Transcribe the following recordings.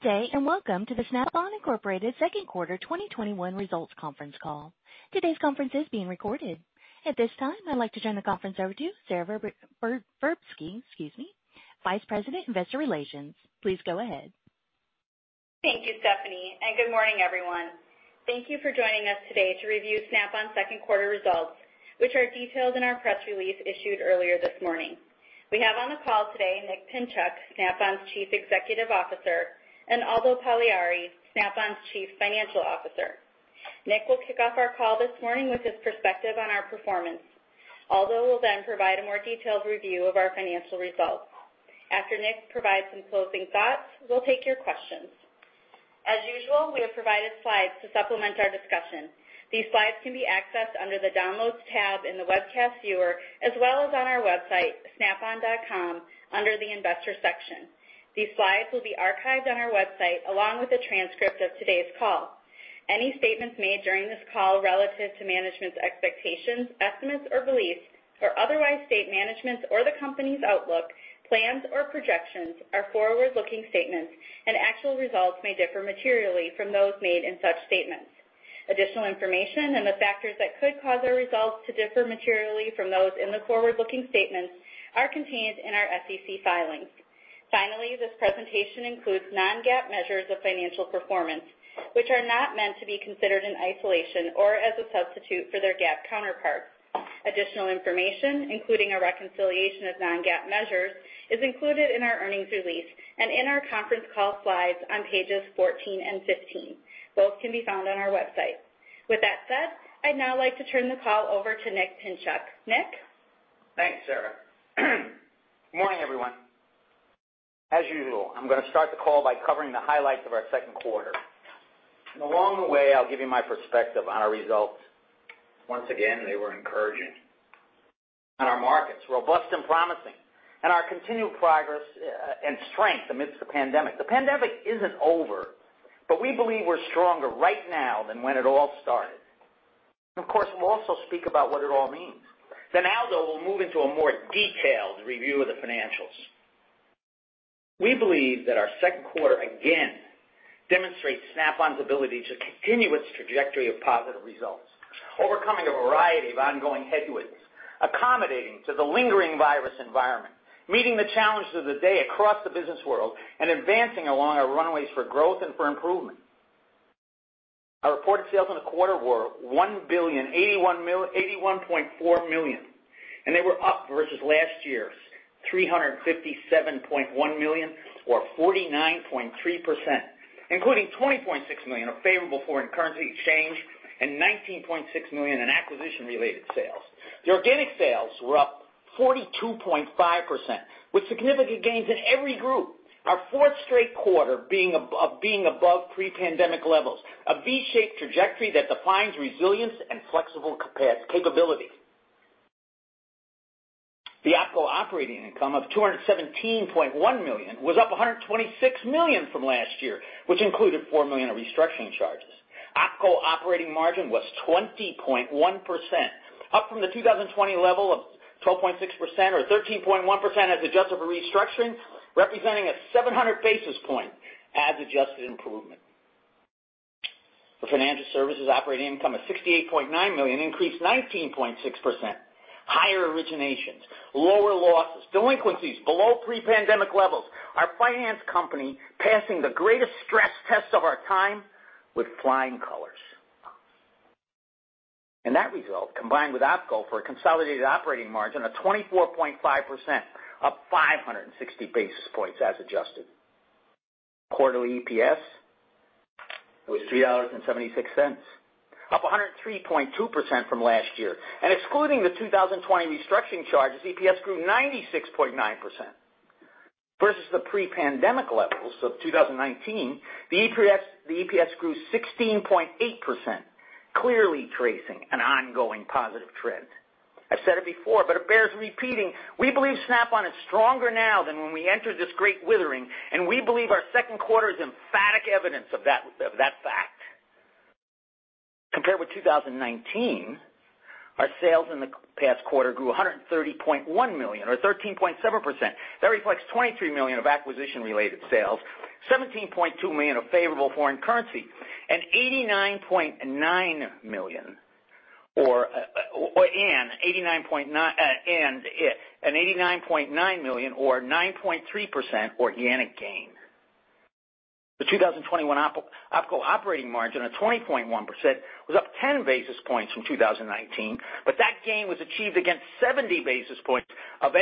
Good day, welcome to the Snap-on Incorporated second quarter 2021 results conference call. Today's conference is being recorded. At this time, I'd like to turn the conference over to Sara Verbsky, excuse me, Vice President of Investor Relations. Please go ahead. Thank you, Stephanie, good morning, everyone. Thank you for joining us today to review Snap-on's second quarter results, which are detailed in our press release issued earlier this morning. We have on the call today, Nick Pinchuk, Snap-on's Chief Executive Officer, and Aldo Pagliari, Snap-on's Chief Financial Officer. Nick will kick off our call this morning with his perspective on our performance. Aldo will provide a more detailed review of our financial results. After Nick provides some closing thoughts, we'll take your questions. As usual, we have provided slides to supplement our discussion. These slides can be accessed under the Downloads tab in the webcast viewer, as well as on our website, snapon.com, under the Investors section. These slides will be archived on our website along with a transcript of today's call. Any statements made during this call relative to management's expectations, estimates, or beliefs, or otherwise state management's or the company's outlook, plans, or projections are forward-looking statements, actual results may differ materially from those made in such statements. Additional information and the factors that could cause our results to differ materially from those in the forward-looking statements are contained in our SEC filings. Finally, this presentation includes non-GAAP measures of financial performance, which are not meant to be considered in isolation or as a substitute for their GAAP counterparts. Additional information, including a reconciliation of non-GAAP measures, is included in our earnings release and in our conference call slides on pages 14 and 15. Both can be found on our website. With that said, I'd now like to turn the call over to Nick Pinchuk. Nick? Thanks, Sara. Good morning, everyone. As usual, I'm going to start the call by covering the highlights of our second quarter. Along the way, I'll give you my perspective on our results. Once again, they were encouraging. On our markets, robust and promising. Our continued progress and strength amidst the pandemic. The pandemic isn't over, but we believe we're stronger right now than when it all started. Of course, we'll also speak about what it all means. Aldo will move into a more detailed review of the financials. We believe that our second quarter again demonstrates Snap-on's ability to continue its trajectory of positive results, overcoming a variety of ongoing headwinds, accommodating to the lingering virus environment, meeting the challenges of the day across the business world, and advancing along our runways for growth and for improvement. Our reported sales in the quarter were $1.0814 billion, they were up versus last year's $357.1 million, or 49.3%, including $20.6 million of favorable foreign currency exchange and $19.6 million in acquisition-related sales. The organic sales were up 42.5%, with significant gains in every group. Our fourth straight quarter being above pre-pandemic levels, a V-shaped trajectory that defines resilience and flexible capability. The OpCo operating income of $217.1 million was up $126 million from last year, which included $4 million of restructuring charges. OpCo operating margin was 20.1%, up from the 2020 level of 12.6%, or 13.1% as adjusted for restructuring, representing a 700 basis point as adjusted improvement. The financial services operating income of $68.9 million increased 19.6%. Higher originations, lower losses, delinquencies below pre-pandemic levels. Our finance company passing the greatest stress test of our time with flying colors. That result, combined with OpCo for a consolidated operating margin of 24.5%, up 560 basis points as adjusted. Quarterly EPS was $3.76, up 103.2% from last year. Excluding the 2020 restructuring charges, EPS grew 96.9%. Versus the pre-pandemic levels of 2019, the EPS grew 16.8%, clearly tracing an ongoing positive trend. I've said it before, but it bears repeating, we believe Snap-on is stronger now than when we entered this great withering, and we believe our second quarter is emphatic evidence of that fact. Compared with 2019, our sales in the past quarter grew to $130.1 million or 13.7%. That reflects $23 million of acquisition-related sales, $17.2 million of favorable foreign currency, and $89.9 million or 9.3% organic gain. The 2021 OpCo operating margin of 20.1% was up 10 basis points from 2019, but that gain was achieved against 70 basis points of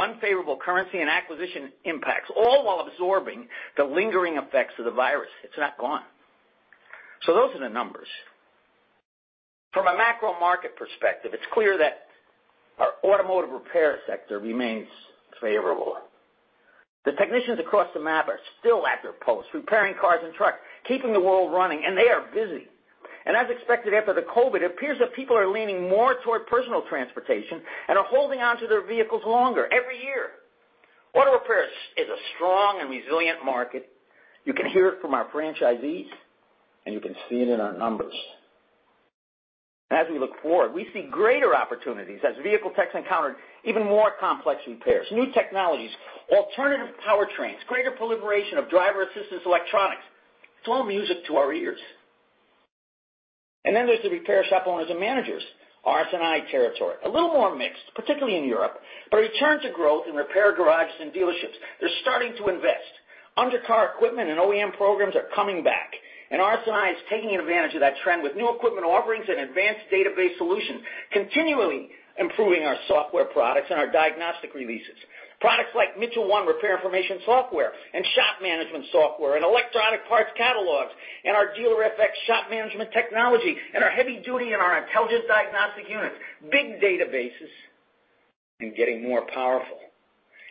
unfavorable currency and acquisition impacts, all while absorbing the lingering effects of the virus. It's not gone. Those are the numbers. From a macro market perspective, it's clear that our automotive repair sector remains favorable. The technicians across the map are still at their posts, repairing cars and trucks, keeping the world running, they are busy. As expected after the COVID, it appears that people are leaning more toward personal transportation and are holding onto their vehicles longer. Every year auto repair is a strong and resilient market. You can hear it from our franchisees and you can see it in our numbers. As we look forward, we see greater opportunities as vehicle techs encounter even more complex repairs, new technologies, alternative powertrains, greater proliferation of driver assistance electronics. It's all music to our ears. Then there's the repair shop owners and managers. RS&I territory. A little more mixed, particularly in Europe. A return to growth in repair garages and dealerships. They're starting to invest. Under car equipment and OEM programs are coming back, RS&I is taking advantage of that trend with new equipment offerings and advanced database solutions, continually improving our software products and our diagnostic releases. Products like Mitchell 1 repair information software and shop management software and electronic parts catalogs, our Dealer-FX shop management technology and our heavy duty and our intelligent diagnostic units. Big databases getting more powerful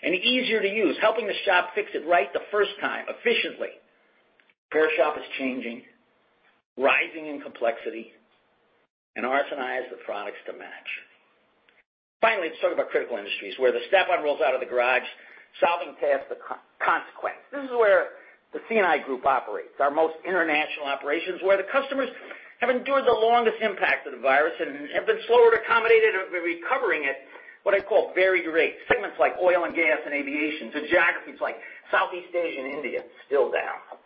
and easier to use, helping the shop fix it right the first time, efficiently. Repair shop is changing, rising in complexity, and RS&I has the products to match. Finally, let's talk about critical industries, where Snap-on rolls out of the garage, solving tasks at consequence. This is where the C&I Group operates, our most international operations, where the customers have endured the longest impact of the virus and have been slower to accommodate it or been recovering at, what I call, varied rates. Segments like oil and gas and aviation to geographies like Southeast Asia and India, still down.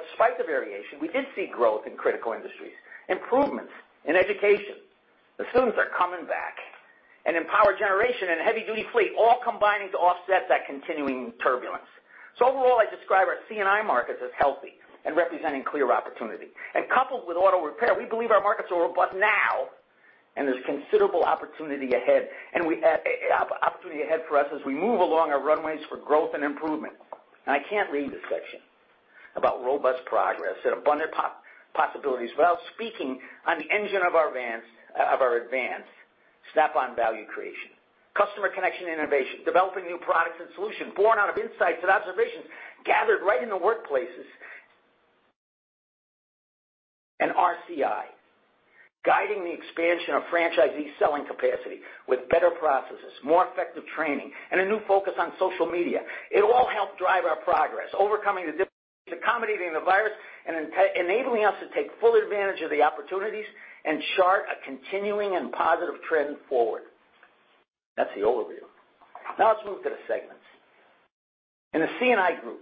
Despite the variation, we did see growth in critical industries. Improvements in education. The students are coming back. In power generation and heavy duty fleet, all combining to offset that continuing turbulence. Overall, I describe our C&I markets as healthy and representing clear opportunity. Coupled with auto repair, we believe our markets are robust now, and there's considerable opportunity ahead for us as we move along our runways for growth and improvement. I can't read this section about robust progress and abundant possibilities without speaking on the engine of our advance, Snap-on value creation. Customer connection innovation, developing new products and solutions born out of insights and observations gathered right in the workplaces. RCI, guiding the expansion of franchisee selling capacity with better processes, more effective training, and a new focus on social media. It'll all help drive our progress, overcoming the difficulties, accommodating the virus, and enabling us to take full advantage of the opportunities and chart a continuing and positive trend forward. That's the overview. Now let's move to the segments. In the C&I Group,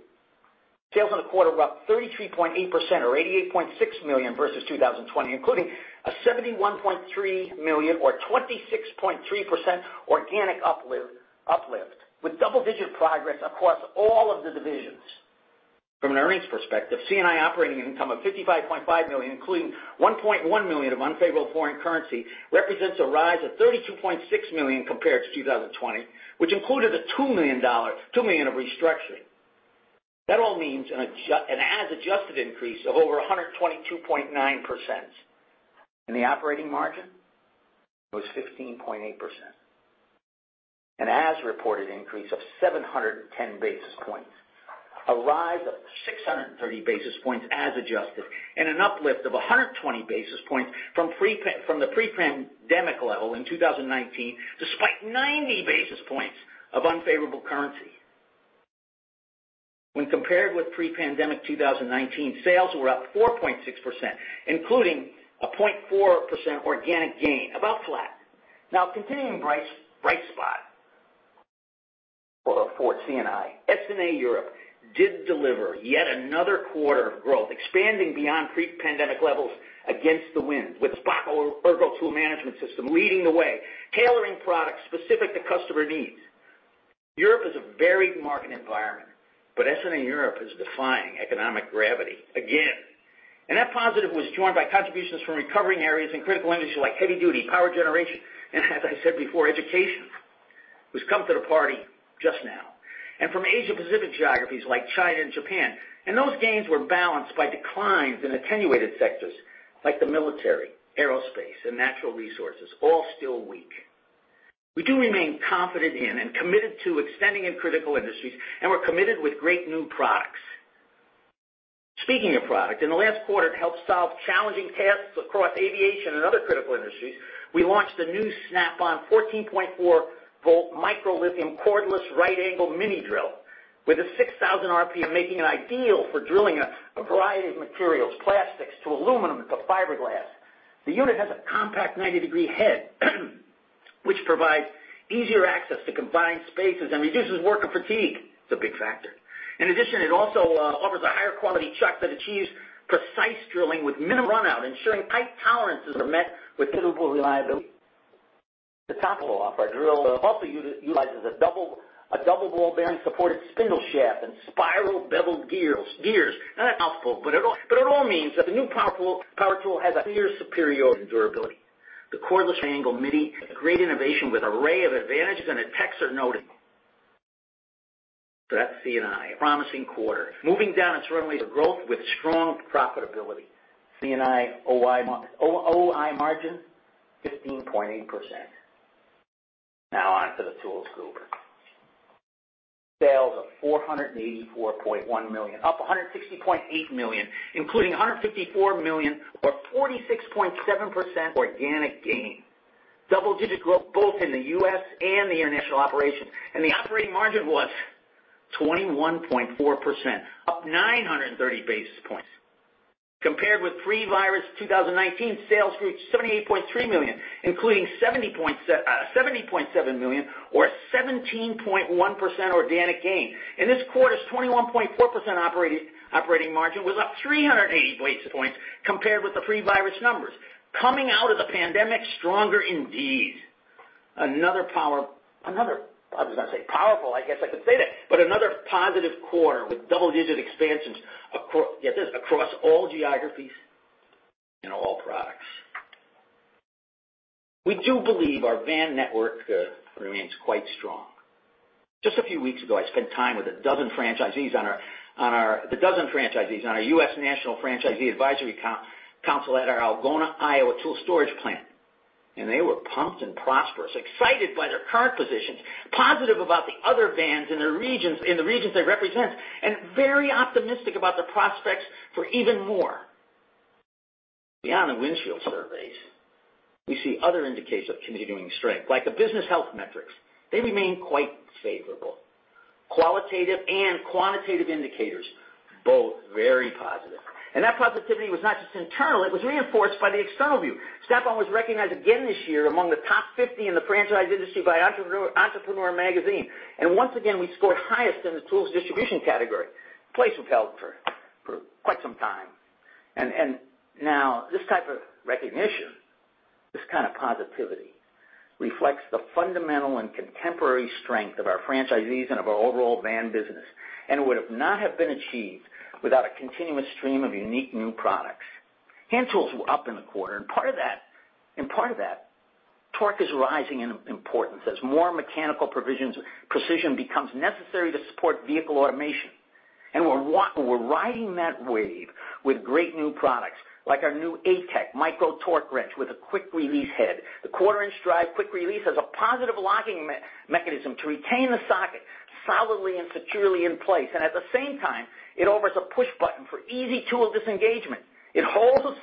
sales in the quarter were up 33.8% or $88.6 million versus 2020, including a $71.3 million or 26.3% organic uplift, with double-digit progress across all of the divisions. From an earnings perspective, C&I operating income of $55.5 million, including $1.1 million of unfavorable foreign currency, represents a rise of $32.6 million compared to 2020, which included a $2 million of restructuring. That all means an as adjusted increase of over 122.9%. The operating margin was 15.8%. An as reported increase of 710 basis points, a rise of 630 basis points as adjusted, and an uplift of 120 basis points from the pre-pandemic level in 2019, despite 90 basis points of unfavorable currency. When compared with pre-pandemic 2019, sales were up 4.6%, including a 0.4% organic gain, about flat. A continuing bright spot for C&I. SNA Europe did deliver yet another quarter of growth, expanding beyond pre-pandemic levels against the wind, with SPOTO Ergo tool management system leading the way, tailoring products specific to customer needs. Europe is a varied market environment, but SNA Europe is defying economic gravity again. That positive was joined by contributions from recovering areas in critical industries like heavy duty, power generation, and as I said before, education, who's come to the party just now. From Asia Pacific geographies like China and Japan. Those gains were balanced by declines in attenuated sectors like the military, aerospace, and natural resources, all still weak. We do remain confident in and committed to extending in critical industries, and we're committed with great new products. Speaking of product, in the last quarter, to help solve challenging tasks across aviation and other critical industries, we launched the new Snap-on 14.4 volt micro lithium cordless right angle mini drill with a 6,000 RPM, making it ideal for drilling a variety of materials, plastics to aluminum to fiberglass. The unit has a compact 90-degree head which provides easier access to confined spaces and reduces worker fatigue. It's a big factor. In addition, it also offers a higher quality chuck that achieves precise drilling with minimum run out, ensuring tight tolerances are met with suitable reliability. The top drill also utilizes a double ball bearing supported spindle shaft and spiral beveled gears. Isn't that a mouthful? It all means that the new power tool has a clear superiority and durability. The cordless right angle mini is a great innovation with array of advantages, and the techs are noticing. That's C&I, a promising quarter. Moving down its runways of growth with strong profitability. C&I OI margin, 15.8%. Now on to the Tools Group. Sales of $484.1 million, up $160.8 million, including $154 million or 46.7% organic gain. Double-digit growth both in the U.S. and the international operation. The operating margin was 21.4%, up 930 basis points. Compared with pre-virus 2019, sales reached $78.3 million, including $70.7 million or a 17.1% organic gain. In this quarter's 21.4% operating margin was up 380 basis points compared with the pre-virus numbers. Coming out of the pandemic stronger indeed. Another positive quarter with double-digit expansions, get this, across all geographies and all products. We do believe our van network remains quite strong. Just a few weeks ago, I spent time with a dozen franchisees on our U.S. National Franchise Advisory Council at our Algona, Iowa tool storage plant. They were pumped and prosperous, excited by their current positions, positive about the other vans in the regions they represent, and very optimistic about the prospects for even more. Beyond the windshield surveys, we see other indicators of continuing strength, like the business health metrics. They remain quite favorable. Qualitative and quantitative indicators, both very positive. That positivity was not just internal, it was reinforced by the external view. Snap-on was recognized again this year among the top 50 in the franchise industry by Entrepreneur Magazine. Once again, we scored highest in the tools distribution category, place we've held for quite some time. This type of recognition, this kind of positivity reflects the fundamental and contemporary strength of our franchisees and of our overall van business and would not have been achieved without a continuous stream of unique new products. Hand tools were up in the quarter, part of that, torque is rising in importance as more mechanical precision becomes necessary to support vehicle automation. We're riding that wave with great new products, like our new ATEC Micro Torque Wrench with a quick-release head. The quarter-inch drive quick release has a positive locking mechanism to retain the socket solidly and securely in place. At the same time, it offers a push button for easy tool disengagement. It holds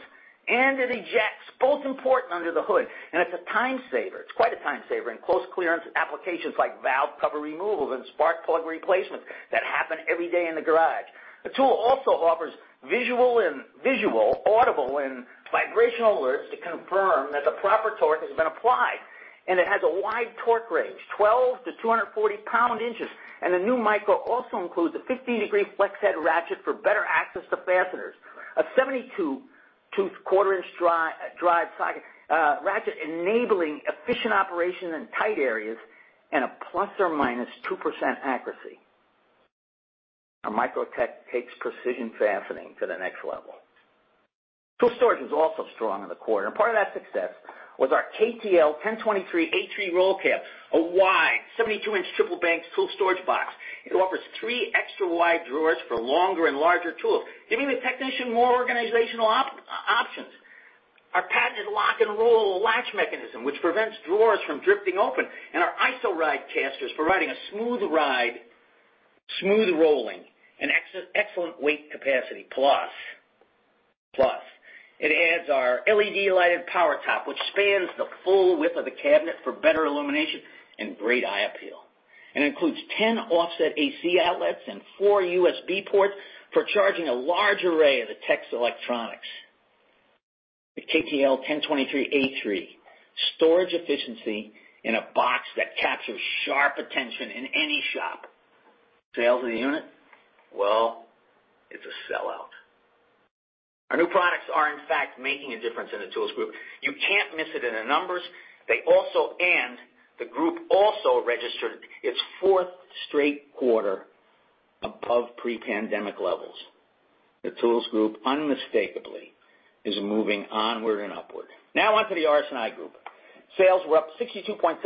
and it ejects, both important under the hood, and it's a time saver. It's quite a time saver in close clearance applications like valve cover removal and spark plug replacement that happen every day in the garage. The tool also offers visual, audible, and vibrational alerts to confirm that the proper torque has been applied. It has a wide torque range, 12 to 240 pound-inches, and the new Micro also includes a 15-degree flex head ratchet for better access to fasteners. A 72-tooth quarter-inch drive ratchet enabling efficient operation in tight areas and a ±2% accuracy. Our Micro Torque takes precision fastening to the next level. Tool storage was also strong in the quarter, and part of that success was our KTL1023A3 Roll Cab, a wide 72-inch triple-bank tool storage box. It offers three extra-wide drawers for longer and larger tools, giving the technician more organizational options. Our patented Lock 'N Roll latch mechanism, which prevents drawers from drifting open, and our ISO-Ride+ casters providing a smooth ride, smooth rolling, and excellent weight capacity. It adds our LED lighted power top, which spans the full width of the cabinet for better illumination and great eye appeal. It includes 10 offset AC outlets and four USB ports for charging a large array of the tech's electronics. The KTL1023A3, storage efficiency in a box that captures sharp attention in any shop. Sales of the unit? Well, it's a sellout. Our new products are, in fact, making a difference in the Tools Group. You can't miss it in the numbers. The Group also registered its fourth straight quarter above pre-pandemic levels. The Tools Group unmistakably is moving onward and upward. Now on to the RS&I Group. Sales were up 62.7%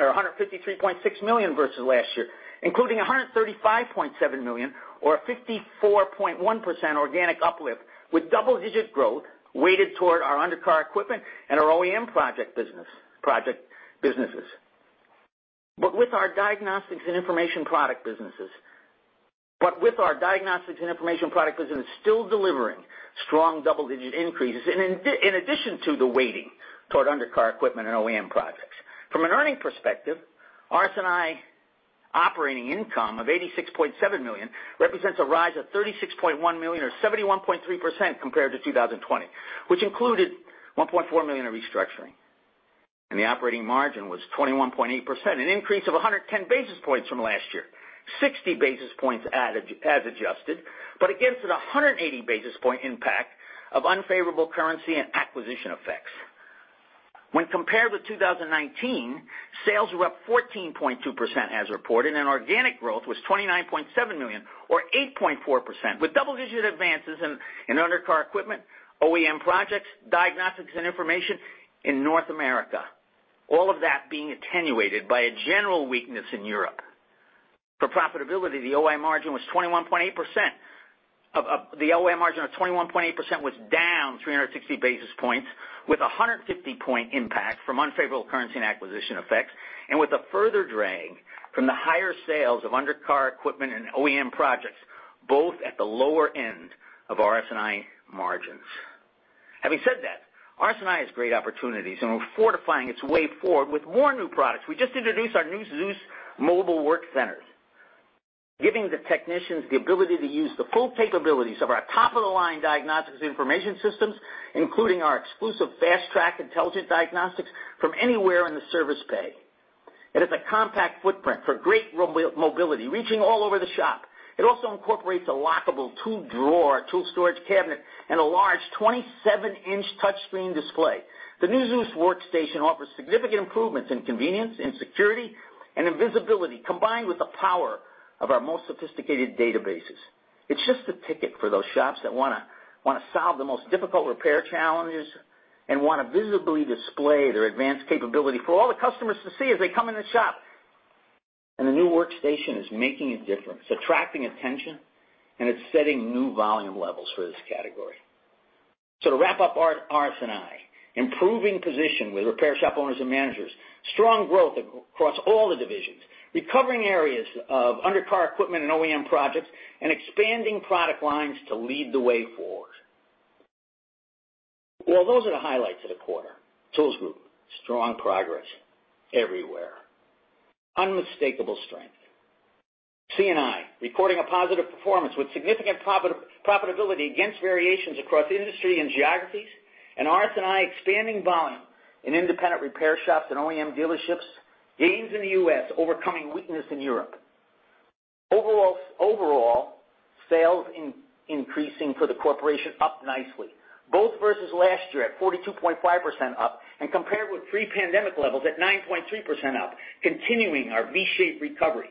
or $153.6 million versus last year, including $135.7 million or a 54.1% organic uplift, with double-digit growth weighted toward our undercar equipment and our OEM project businesses. Our diagnostics and information product businesses still delivering strong double-digit increases in addition to the weighting toward undercar equipment and OEM projects. From an earning perspective, RS&I operating income of $86.7 million represents a rise of $36.1 million or 71.3% compared to 2020, which included $1.4 million in restructuring. The operating margin was 21.8%, an increase of 110 basis points from last year, 60 basis points as adjusted, but against the 180 basis-point impact of unfavorable currency and acquisition effects. When compared with 2019, sales were up 14.2% as reported, and organic growth was $29.7 million or 8.4%, with double-digit advances in undercar equipment, OEM projects, diagnostics and information in North America. All of that being attenuated by a general weakness in Europe. For profitability, the OI margin of 21.8% was down 360 basis points, with 150 basis-point impact from unfavorable currency and acquisition effects, and with a further drag from the higher sales of undercar equipment and OEM projects. Both at the lower end of RS&I margins. Having said that, RS&I has great opportunities, and we're fortifying its way forward with more new products. We just introduced our new ZEUS mobile work centers, giving the technicians the ability to use the full capabilities of our top-of-the-line diagnostics information systems, including our exclusive Fast-Track Intelligent Diagnostics from anywhere in the service bay. It has a compact footprint for great mobility, reaching all over the shop. It also incorporates a lockable two-drawer tool storage cabinet and a large 27-inch touchscreen display. The new ZEUS workstation offers significant improvements in convenience, in security, and in visibility, combined with the power of our most sophisticated databases. It's just the ticket for those shops that want to solve the most difficult repair challenges and want to visibly display their advanced capability for all the customers to see as they come in the shop. The new workstation is making a difference, attracting attention, and it's setting new volume levels for this category. To wrap up RS&I, improving position with repair shop owners and managers, strong growth across all the divisions, recovering areas of under-car equipment and OEM projects, and expanding product lines to lead the way forward. Well, those are the highlights of the quarter. Tools Group, strong progress everywhere. Unmistakable strength. C&I, recording a positive performance with significant profitability against variations across industry and geographies, RS&I expanding volume in independent repair shops and OEM dealerships, gains in the U.S. overcoming weakness in Europe. Overall, sales increasing for the corporation, up nicely, both versus last year at 42.5% up and compared with pre-pandemic levels at 9.3% up, continuing our V-shaped recovery.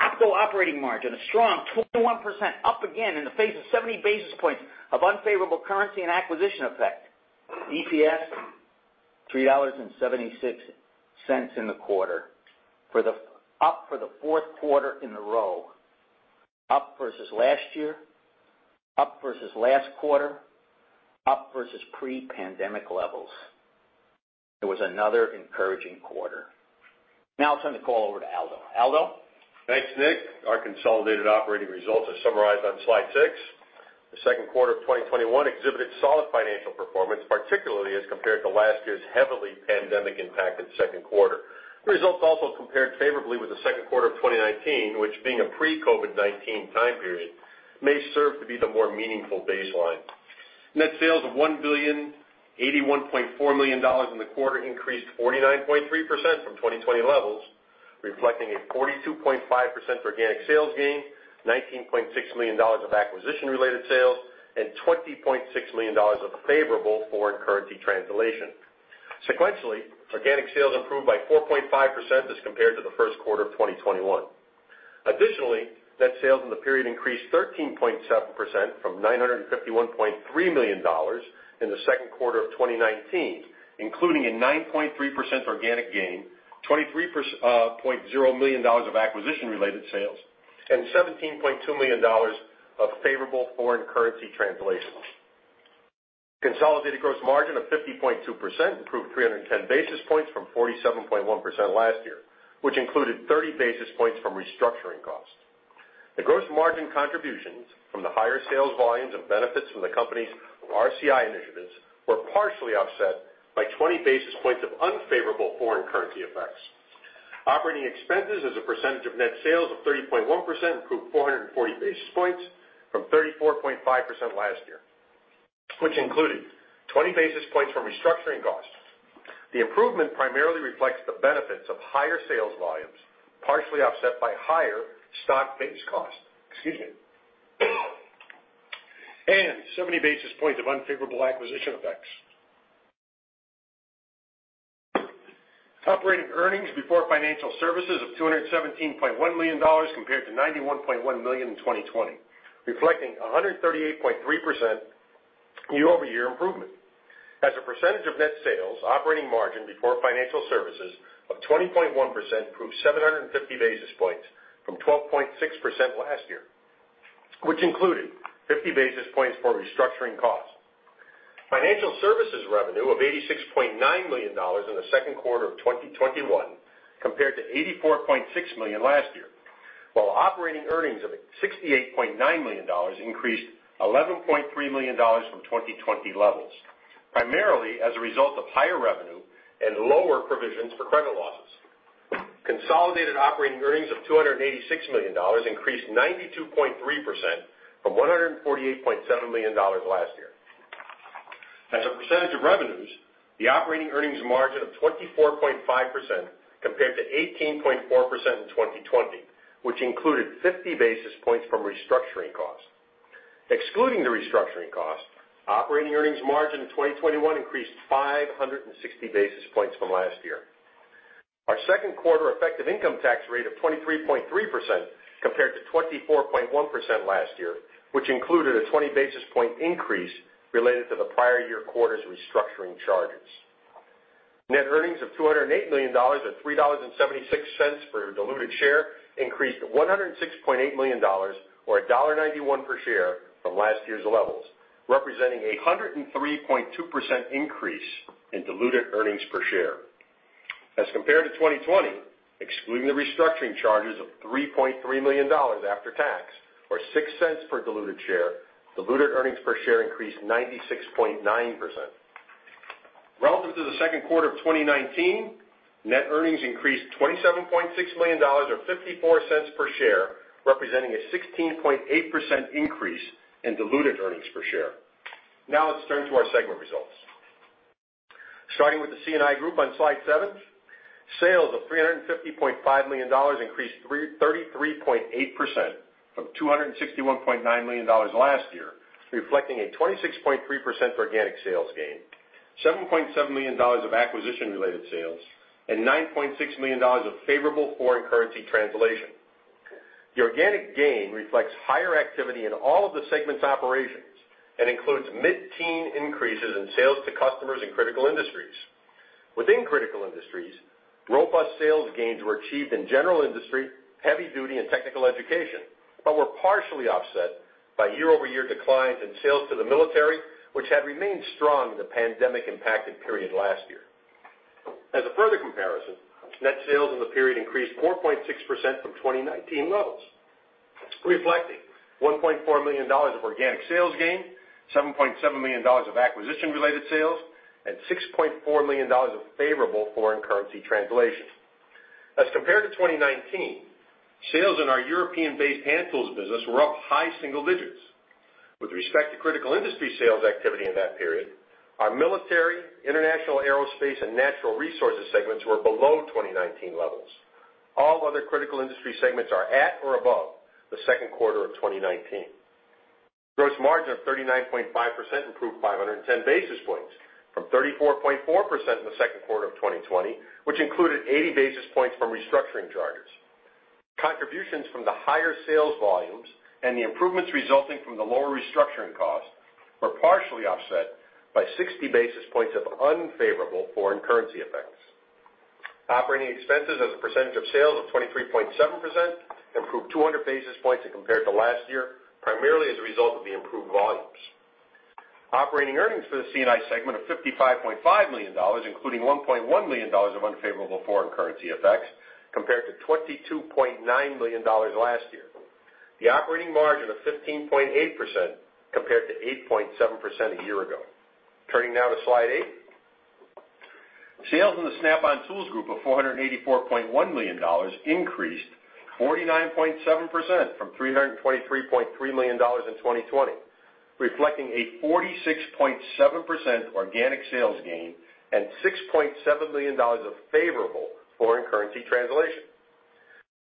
OpCo operating margin, a strong 21% up again in the face of 70 basis points of unfavorable currency and acquisition effect. EPS $3.76 in the quarter, up for the fourth quarter in a row. Up versus last year, up versus last quarter, up versus pre-pandemic levels. It was another encouraging quarter. I'll turn the call over to Aldo. Aldo? Thanks, Nick. Our consolidated operating results are summarized on slide six. The second quarter of 2021 exhibited solid financial performance, particularly as compared to last year's heavily pandemic-impacted second quarter. The results also compared favorably with the second quarter of 2019, which being a pre-COVID-19 time period, may serve to be the more meaningful baseline. Net sales of $1.0814 billion in the quarter increased 49.3% from 2020 levels, reflecting a 42.5% organic sales gain, $19.6 million of acquisition-related sales, and $20.6 million of favorable foreign currency translation. Sequentially, organic sales improved by 4.5% as compared to the first quarter of 2021. Additionally, net sales in the period increased 13.7% from $951.3 million in the second quarter of 2019, including a 9.3% organic gain, $23.0 million of acquisition-related sales, and $17.2 million of favorable foreign currency translation. Consolidated gross margin of 50.2% improved 310 basis points from 47.1% last year, which included 30 basis points from restructuring costs. The gross margin contributions from the higher sales volumes and benefits from the company's RCI initiatives were partially offset by 20 basis points of unfavorable foreign currency effects. Operating expenses as a percentage of net sales of 30.1% improved 440 basis points from 34.5% last year, which included 20 basis points from restructuring costs. The improvement primarily reflects the benefits of higher sales volumes, partially offset by higher stock-based costs. 70 basis points of unfavorable acquisition effects. Operating earnings before financial services of $217.1 million compared to $91.1 million in 2020, reflecting 138.3% year-over-year improvement. As a percentage of net sales, operating margin before financial services of 20.1% improved 750 basis points from 12.6% last year, which included 50 basis points for restructuring costs. Financial services revenue of $86.9 million in the second quarter of 2021 compared to $84.6 million last year. While operating earnings of $68.9 million increased $11.3 million from 2020 levels, primarily as a result of higher revenue and lower provisions for credit losses. Consolidated operating earnings of $286 million increased 92.3% from $148.7 million last year. As a percentage of revenues, the operating earnings margin of 24.5% compared to 18.4% in 2020, which included 50 basis points from restructuring costs. Excluding the restructuring costs, operating earnings margin in 2021 increased 560 basis points from last year. Our second quarter effective income tax rate of 23.3% compared to 24.1% last year, which included a 20 basis point increase related to the prior year quarter's restructuring charges. Net earnings of $208 million at $3.76 per diluted share increased $106.8 million or $1.91 per share from last year's levels, representing a 103.2% increase in diluted earnings per share. As compared to 2020, excluding the restructuring charges of $3.3 million after tax, or $0.06 per diluted share, diluted earnings per share increased 96.9%. Relative to the second quarter of 2019, net earnings increased $27.6 million, or $0.54 per share, representing a 16.8% increase in diluted earnings per share. Let's turn to our segment results. Starting with the C&I Group on slide seven, sales of $350.5 million increased 33.8% from $261.9 million last year, reflecting a 26.3% organic sales gain, $7.7 million of acquisition-related sales, and $9.6 million of favorable foreign currency translation. The organic gain reflects higher activity in all of the segment's operations and includes mid-teen increases in sales to customers in critical industries. Within critical industries, robust sales gains were achieved in general industry, heavy duty, and technical education, but were partially offset by year-over-year declines in sales to the military, which had remained strong in the pandemic-impacted period last year. As a further comparison, net sales in the period increased 4.6% from 2019 levels, reflecting $1.4 million of organic sales gain, $7.7 million of acquisition-related sales, and $6.4 million of favorable foreign currency translation. As compared to 2019, sales in our European-based hand tools business were up high single digits. With respect to critical industry sales activity in that period, our military, international aerospace, and natural resources segments were below 2019 levels. All other critical industry segments are at or above the second quarter of 2019. Gross margin of 39.5% improved 510 basis points from 34.4% in the second quarter of 2020, which included 80 basis points from restructuring charges. Contributions from the higher sales volumes and the improvements resulting from the lower restructuring costs were partially offset by 60 basis points of unfavorable foreign currency effects. Operating expenses as a percentage of sales of 23.7% improved 200 basis points compared to last year, primarily as a result of the improved volumes. Operating earnings for the C&I segment of $55.5 million, including $1.1 million of unfavorable foreign currency effects, compared to $22.9 million last year. The operating margin of 15.8% compared to 8.7% a year ago. Turning to slide eight. Sales in the Snap-on Tools Group of $484.1 million increased 49.7% from $323.3 million in 2020, reflecting a 46.7% organic sales gain and $6.7 million of favorable foreign currency translation.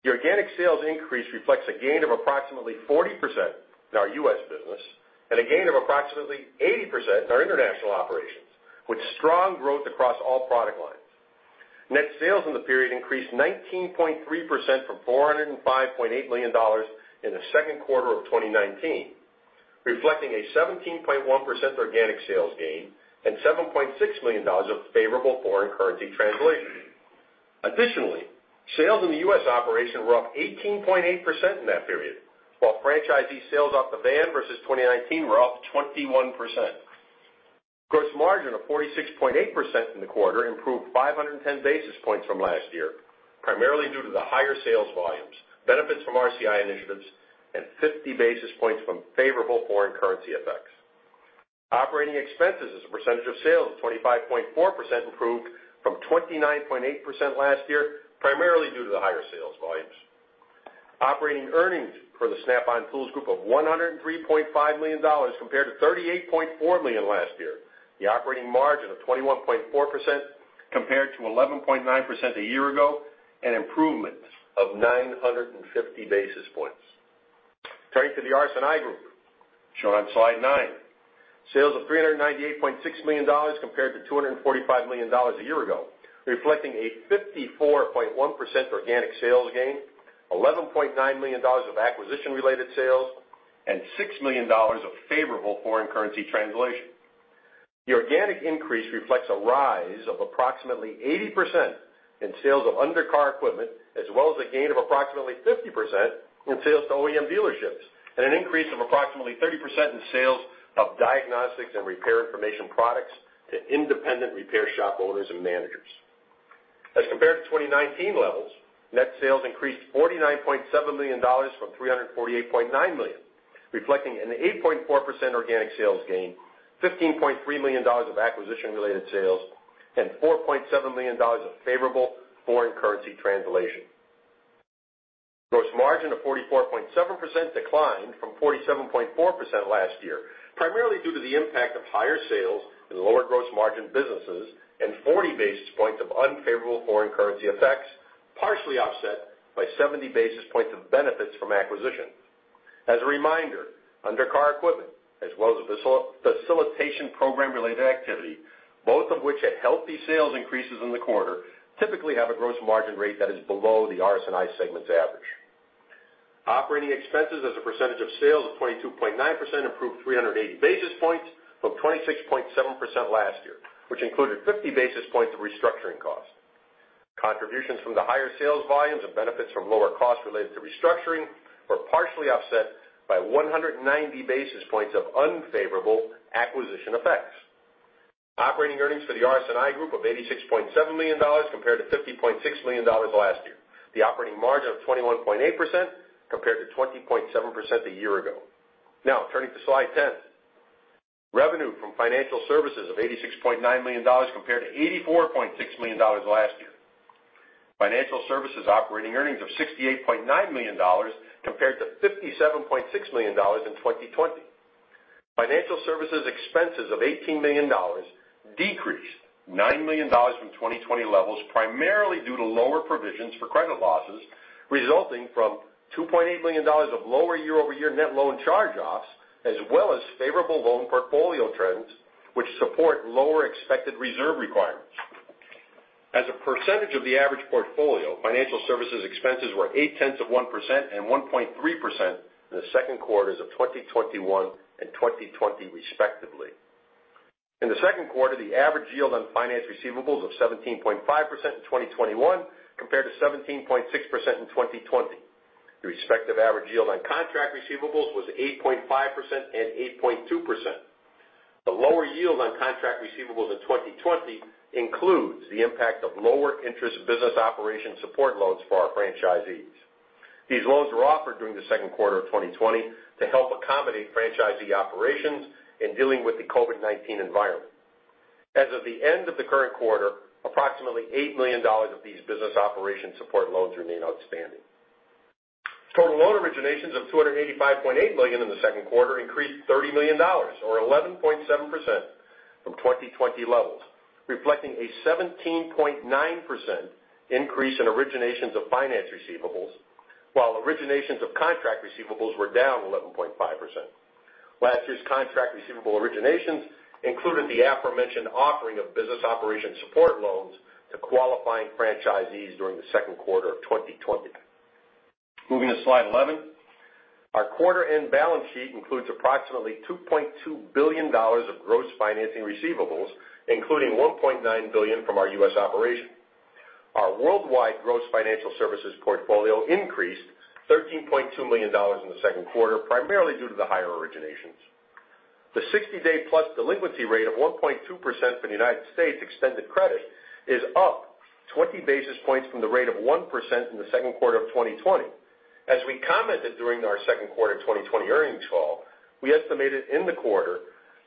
The organic sales increase reflects a gain of approximately 40% in our U.S. business and a gain of approximately 80% in our international operations, with strong growth across all product lines. Net sales in the period increased 19.3% from $405.8 million in the second quarter of 2019, reflecting a 17.1% organic sales gain and $7.6 million of favorable foreign currency translation. Additionally, sales in the U.S. operation were up 18.8% in that period, while franchisee sales off-the-van versus 2019 were up 21%. Gross margin of 46.8% in the quarter improved 510 basis points from last year, primarily due to the higher sales volumes, benefits from RCI initiatives, and 50 basis points from favorable foreign currency effects. Operating expenses as a percentage of sales of 25.4% improved from 29.8% last year, primarily due to the higher sales volumes. Operating earnings for the Snap-on Tools Group of $103.5 million compared to $38.4 million last year, the operating margin of 21.4% compared to 11.9% a year ago, an improvement of 950 basis points. Turning to the RS&I Group shown on slide nine. Sales of $398.6 million compared to $245 million a year ago, reflecting a 54.1% organic sales gain, $11.9 million of acquisition-related sales, and $6 million of favorable foreign currency translation. The organic increase reflects a rise of approximately 80% in sales of undercar equipment, as well as a gain of approximately 50% in sales to OEM dealerships, and an increase of approximately 30% in sales of diagnostics and repair information products to independent repair shop owners and managers. As compared to 2019 levels, net sales increased $49.7 million from $348.9 million, reflecting an 8.4% organic sales gain, $15.3 million of acquisition-related sales, and $4.7 million of favorable foreign currency translation. Gross margin of 44.7% declined from 47.4% last year, primarily due to the impact of higher sales in lower gross margin businesses and 40 basis points of unfavorable foreign currency effects, partially offset by 70 basis points of benefits from acquisition. As a reminder, undercar equipment, as well as facilitation program-related activity, both of which had healthy sales increases in the quarter, typically have a gross margin rate that is below the RS&I segment's average. Operating expenses as a percentage of sales of 22.9% improved 380 basis points from 26.7% last year, which included 50 basis points of restructuring costs. Contributions from the higher sales volumes and benefits from lower costs related to restructuring were partially offset by 190 basis points of unfavorable acquisition effects. Operating earnings for the RS&I Group of $86.7 million compared to $50.6 million last year. The operating margin of 21.8% compared to 20.7% a year ago. Turning to slide 10. Revenue from financial services of $86.9 million compared to $84.6 million last year. Financial services operating earnings of $68.9 million compared to $57.6 million in 2020. Financial services expenses of $18 million decreased $9 million from 2020 levels, primarily due to lower provisions for credit losses resulting from $2.8 million of lower year-over-year net loan charge-offs, as well as favorable loan portfolio trends, which support lower expected reserve requirements. As a percentage of the average portfolio, financial services expenses were 8/10 of 1% and 1.3% in the second quarters of 2021 and 2020, respectively. In the second quarter, the average yield on finance receivables of 17.5% in 2021 compared to 17.6% in 2020. The respective average yield on contract receivables was 8.5% and 8.2%. The lower yield on contract receivables in 2020 includes the impact of lower-interest business operation support loans for our franchisees. These loans were offered during the second quarter of 2020 to help accommodate franchisee operations in dealing with the COVID-19 environment. As of the end of the current quarter, approximately $8 million of these business operation support loans remain outstanding. Total loan originations of $285.8 million in the second quarter increased $30 million or 11.7% from 2020 levels, reflecting a 17.9% increase in originations of finance receivables while originations of contract receivables were down 11.5%. Last year's contract receivable originations included the aforementioned offering of business operation support loans to qualifying franchisees during the second quarter of 2020. Moving to slide 11. Our quarter-end balance sheet includes approximately $2.2 billion of gross financing receivables, including $1.9 billion from our U.S. operation. Our worldwide gross financial services portfolio increased $13.2 million in the second quarter, primarily due to the higher originations. The 60-day-plus delinquency rate of 1.2% for U.S. Extended Credit is up 20 basis points from the rate of 1% in the second quarter of 2020. As we commented during our second quarter 2020 earnings call, we estimated in the quarter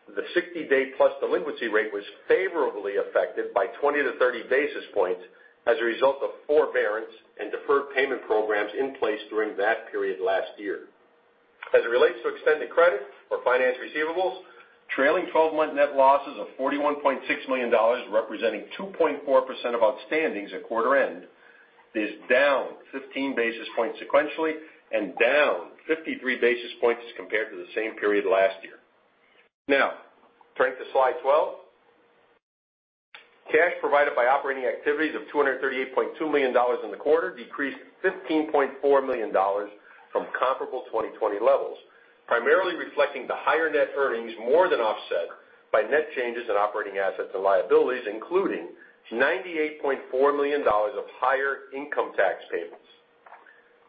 that the 60-day-plus delinquency rate was favorably affected by 20 to 30 basis points as a result of forbearance and deferred payment programs in place during that period last year. As it relates to Extended Credit or finance receivables, trailing 12-month net losses of $41.6 million, representing 2.4% of outstandings at quarter end, is down 15 basis points sequentially and down 53 basis points as compared to the same period last year. Turning to slide 12. Cash provided by operating activities of $238.2 million in the quarter decreased $15.4 million from comparable 2020 levels, primarily reflecting the higher net earnings more than offset by net changes in operating assets and liabilities, including $98.4 million of higher income tax payments.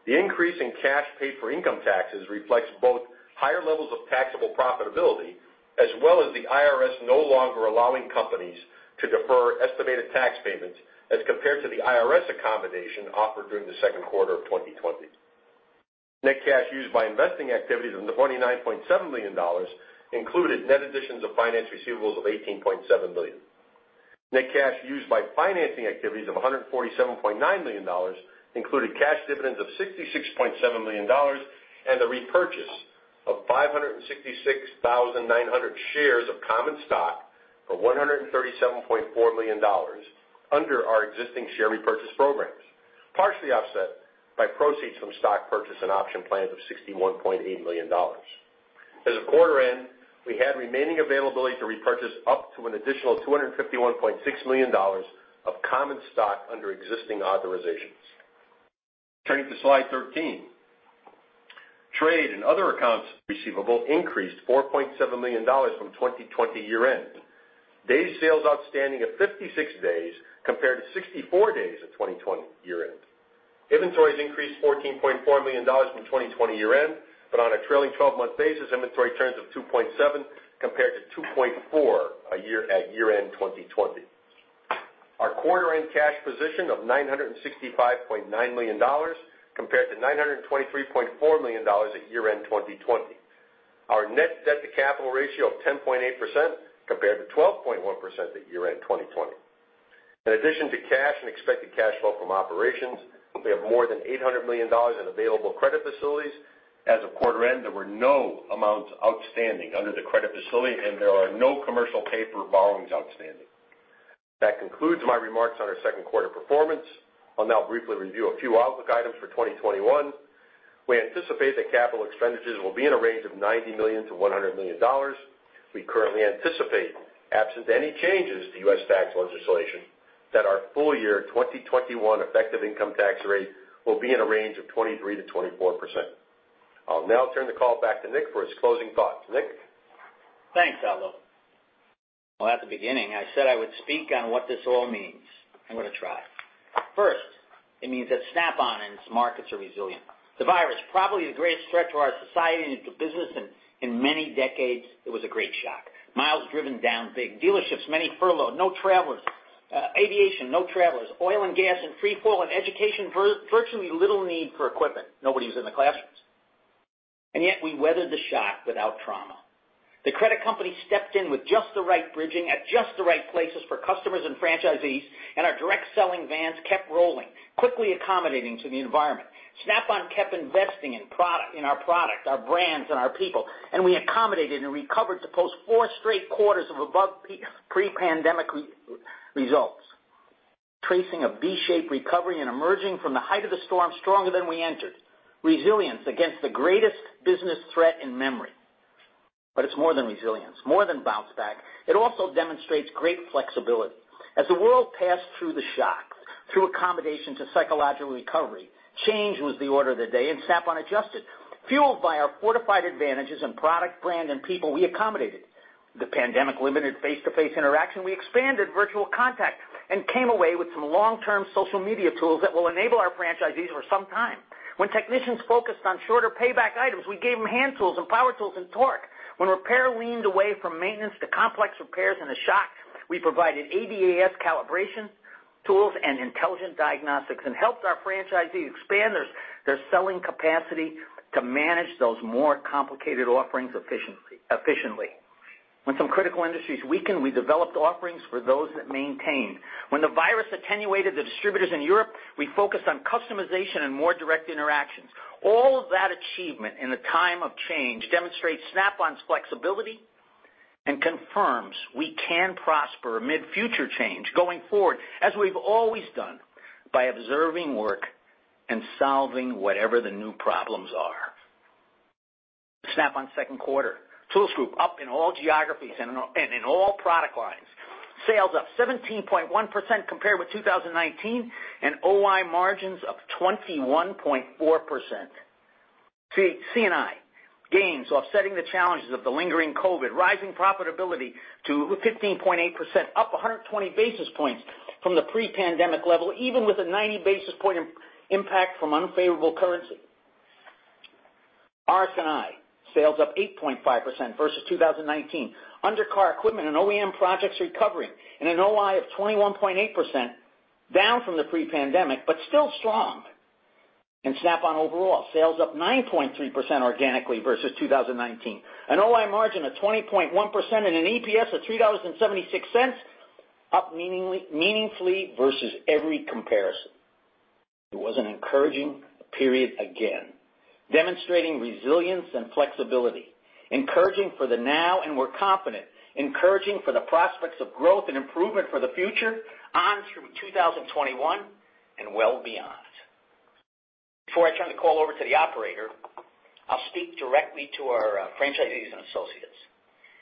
The increase in cash paid for income taxes reflects both higher levels of taxable profitability, as well as the IRS no longer allowing companies to defer estimated tax payments as compared to the IRS accommodation offered during the second quarter of 2020. Net cash used by investing activities of $29.7 million included net additions of finance receivables of $18.7 million. Net cash used by financing activities of $147.9 million included cash dividends of $66.7 million and the repurchase of 566,900 shares of common stock for $137.4 million under our existing share repurchase programs, partially offset by proceeds from stock purchase and option plans of $61.8 million. As of quarter end, we had remaining availability to repurchase up to an additional $251.6 million of common stock under existing authorizations. Turning to slide 13. Trade and other accounts receivable increased $4.7 million from 2020 year-end. Days sales outstanding of 56 days compared to 64 days at 2020 year-end. Inventories increased $14.4 million from 2020 year-end, but on a trailing 12-month basis, inventory turns of 2.7 compared to 2.4 at year-end 2020. Our quarter-end cash position of $965.9 million compared to $923.4 million at year-end 2020. Our net debt to capital ratio of 10.8% compared to 12.1% at year-end 2020. In addition to cash and expected cash flow from operations, we have more than $800 million in available credit facilities. As of quarter end, there were no amounts outstanding under the credit facility, and there are no commercial paper borrowings outstanding. That concludes my remarks on our second quarter performance. I'll now briefly review a few outlook items for 2021. We anticipate that capital expenditures will be in a range of $90 million-$100 million. We currently anticipate, absent any changes to U.S. tax legislation, that our full year 2021 effective income tax rate will be in a range of 23%-24%. I'll now turn the call back to Nick for his closing thoughts. Nick? Thanks, Aldo. At the beginning, I said I would speak on what this all means. I'm going to try. First, it means that Snap-on and its markets are resilient. The virus, probably the greatest threat to our society and to business in many decades, it was a great shock. Miles driven down big. Dealerships, many furloughed. No travelers. Aviation, no travelers. Oil and gas in free fall, education, virtually little need for equipment. Nobody's in the classrooms. Yet we weathered the shock without trauma. The credit company stepped in with just the right bridging at just the right places for customers and franchisees. Our direct selling vans kept rolling, quickly accommodating to the environment. Snap-on kept investing in our product, our brands, and our people. We accommodated and recovered to post four straight quarters of above pre-pandemic results. Tracing a V-shaped recovery and emerging from the height of the storm stronger than we entered. Resilience against the greatest business threat in memory. It's more than resilience, more than bounce back. It also demonstrates great flexibility. As the world passed through the shock, through accommodation to psychological recovery, change was the order of the day, Snap-on adjusted. Fueled by our fortified advantages in product, brand, and people, we accommodated. The pandemic limited face-to-face interaction. We expanded virtual contact and came away with some long-term social media tools that will enable our franchisees for some time. When technicians focused on shorter payback items, we gave them hand tools and power tools and torque. When repair leaned away from maintenance to complex repairs in the shock, we provided ADAS calibration tools and intelligent diagnostics and helped our franchisees expand their selling capacity to manage those more complicated offerings efficiently. When some critical industries weakened, we developed offerings for those that maintained. When the virus attenuated the distributors in Europe, we focused on customization and more direct interactions. All of that achievement in a time of change demonstrates Snap-on's flexibility and confirms we can prosper amid future change going forward, as we've always done, by observing work and solving whatever the new problems are. Snap-on second quarter. Tools Group up in all geographies and in all product lines. Sales up 17.1% compared with 2019. OI margins up 21.4%. C&I gains offsetting the challenges of the lingering COVID, rising profitability to 15.8%, up 120 basis points from the pre-pandemic level, even with a 90 basis point impact from unfavorable currency. RS&I, sales up 8.5% versus 2019. Under-car equipment and OEM projects recovering, an OI of 21.8%, down from the pre-pandemic, but still strong. Snap-on overall, sales up 9.3% organically versus 2019. An OI margin of 20.1% and an EPS of $3.76, up meaningfully versus every comparison. It was an encouraging period again, demonstrating resilience and flexibility. Encouraging for the now, and we're confident, encouraging for the prospects of growth and improvement for the future on through 2021 and well beyond. Before I turn the call over to the operator, I'll speak directly to our franchisees and associates.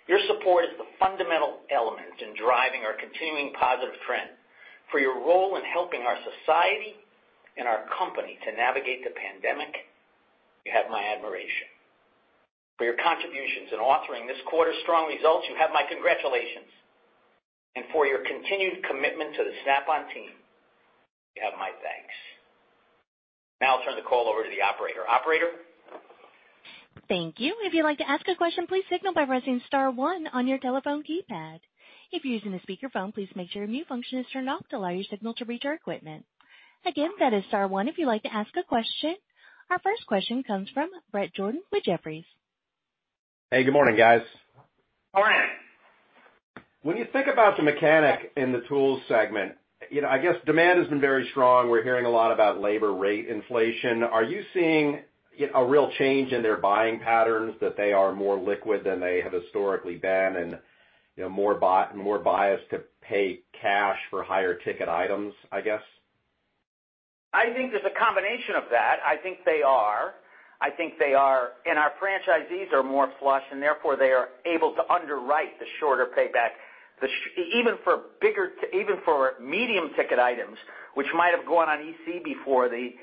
Your support is the fundamental element in driving our continuing positive trend. For your role in helping our society and our company to navigate the pandemic, you have my admiration. For your contributions in authoring this quarter's strong results, you have my congratulations. For your continued commitment to the Snap-on team, you have my thanks. Now I'll turn the call over to the operator. Operator? Thank you. If you'd like to ask a question, please signal by pressing star one on your telephone keypad. If you're using a speakerphone, please make sure your mute function is turned off to allow your signal to reach our equipment. Again, that is star one if you'd like to ask a question. Our first question comes from Bret Jordan with Jefferies. Hey, good morning, guys. Morning. When you think about the mechanic in the Tools segment, I guess demand has been very strong. We're hearing a lot about labor rate inflation. Are you seeing a real change in their buying patterns that they are more liquid than they have historically been and more biased to pay cash for higher ticket items, I guess? I think there's a combination of that. I think they are. I think they are. Our franchisees are more flush. Therefore, they are able to underwrite the shorter payback. Even for medium ticket items, which might have gone on EC before, the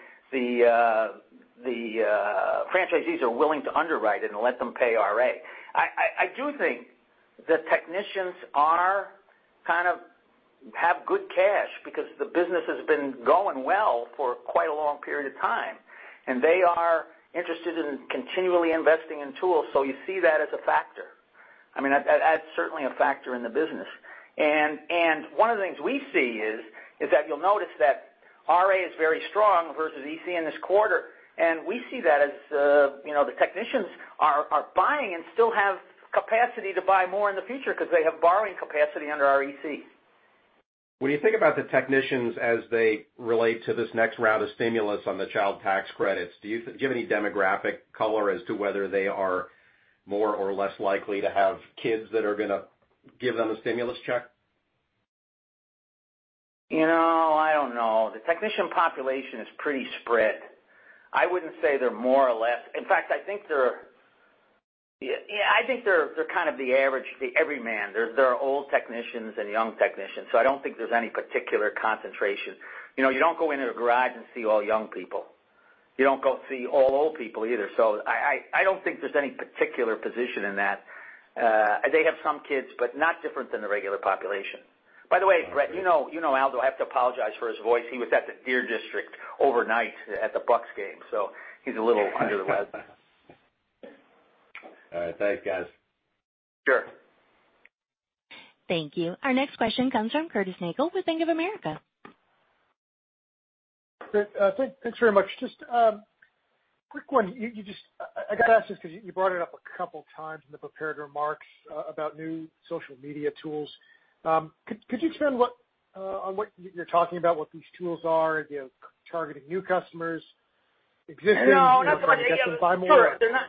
franchisees are willing to underwrite it and let them pay RA. I do think the technicians kind of have good cash because the business has been going well for quite a long period of time, and they are interested in continually investing in tools. You see that as a factor. That's certainly a factor in the business. One of the things we see is that you'll notice that RA is very strong versus EC in this quarter, and we see that as the technicians are buying and still have capacity to buy more in the future because they have borrowing capacity under our EC. When you think about the technicians as they relate to this next round of stimulus on the child tax credits, do you have any demographic color as to whether they are more or less likely to have kids that are going to give them a stimulus check? I don't know. The technician population is pretty spread. I wouldn't say they're more or less. In fact, I think they're kind of the average, the everyman. There are old technicians and young technicians. I don't think there's any particular concentration. You don't go into a garage and see all young people. You don't go see all old people either. I don't think there's any particular position in that. They have some kids, but not different than the regular population. By the way, Bret, you know Aldo. I have to apologize for his voice. He was at the Deer District overnight at the Bucks game. He's a little under the weather. All right. Thanks, guys. Sure. Thank you. Our next question comes from Curtis Nagle with Bank of America. Great. Thanks very much. Just a quick one. I got to ask this because you brought it up a couple of times in the prepared remarks about new social media tools. Could you expand on what you're talking about, what these tools are, targeting new customers. No, not so much. Existing customers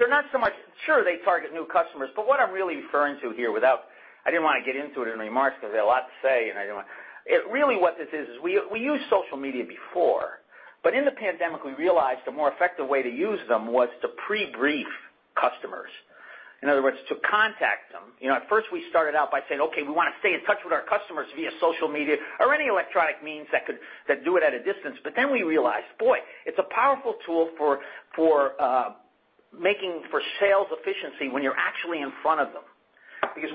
to buy more? Sure. Sure, they target new customers, but what I'm really referring to here, I didn't want to get into it in remarks because I had a lot to say. Really, what this is we used social media before, but in the pandemic, we realized the more effective way to use them was to pre-brief customers. In other words, to contact them. At first, we started out by saying, "Okay, we want to stay in touch with our customers via social media or any electronic means that do it at a distance." We realized, boy, it's a powerful tool for sales efficiency when you're actually in front of them.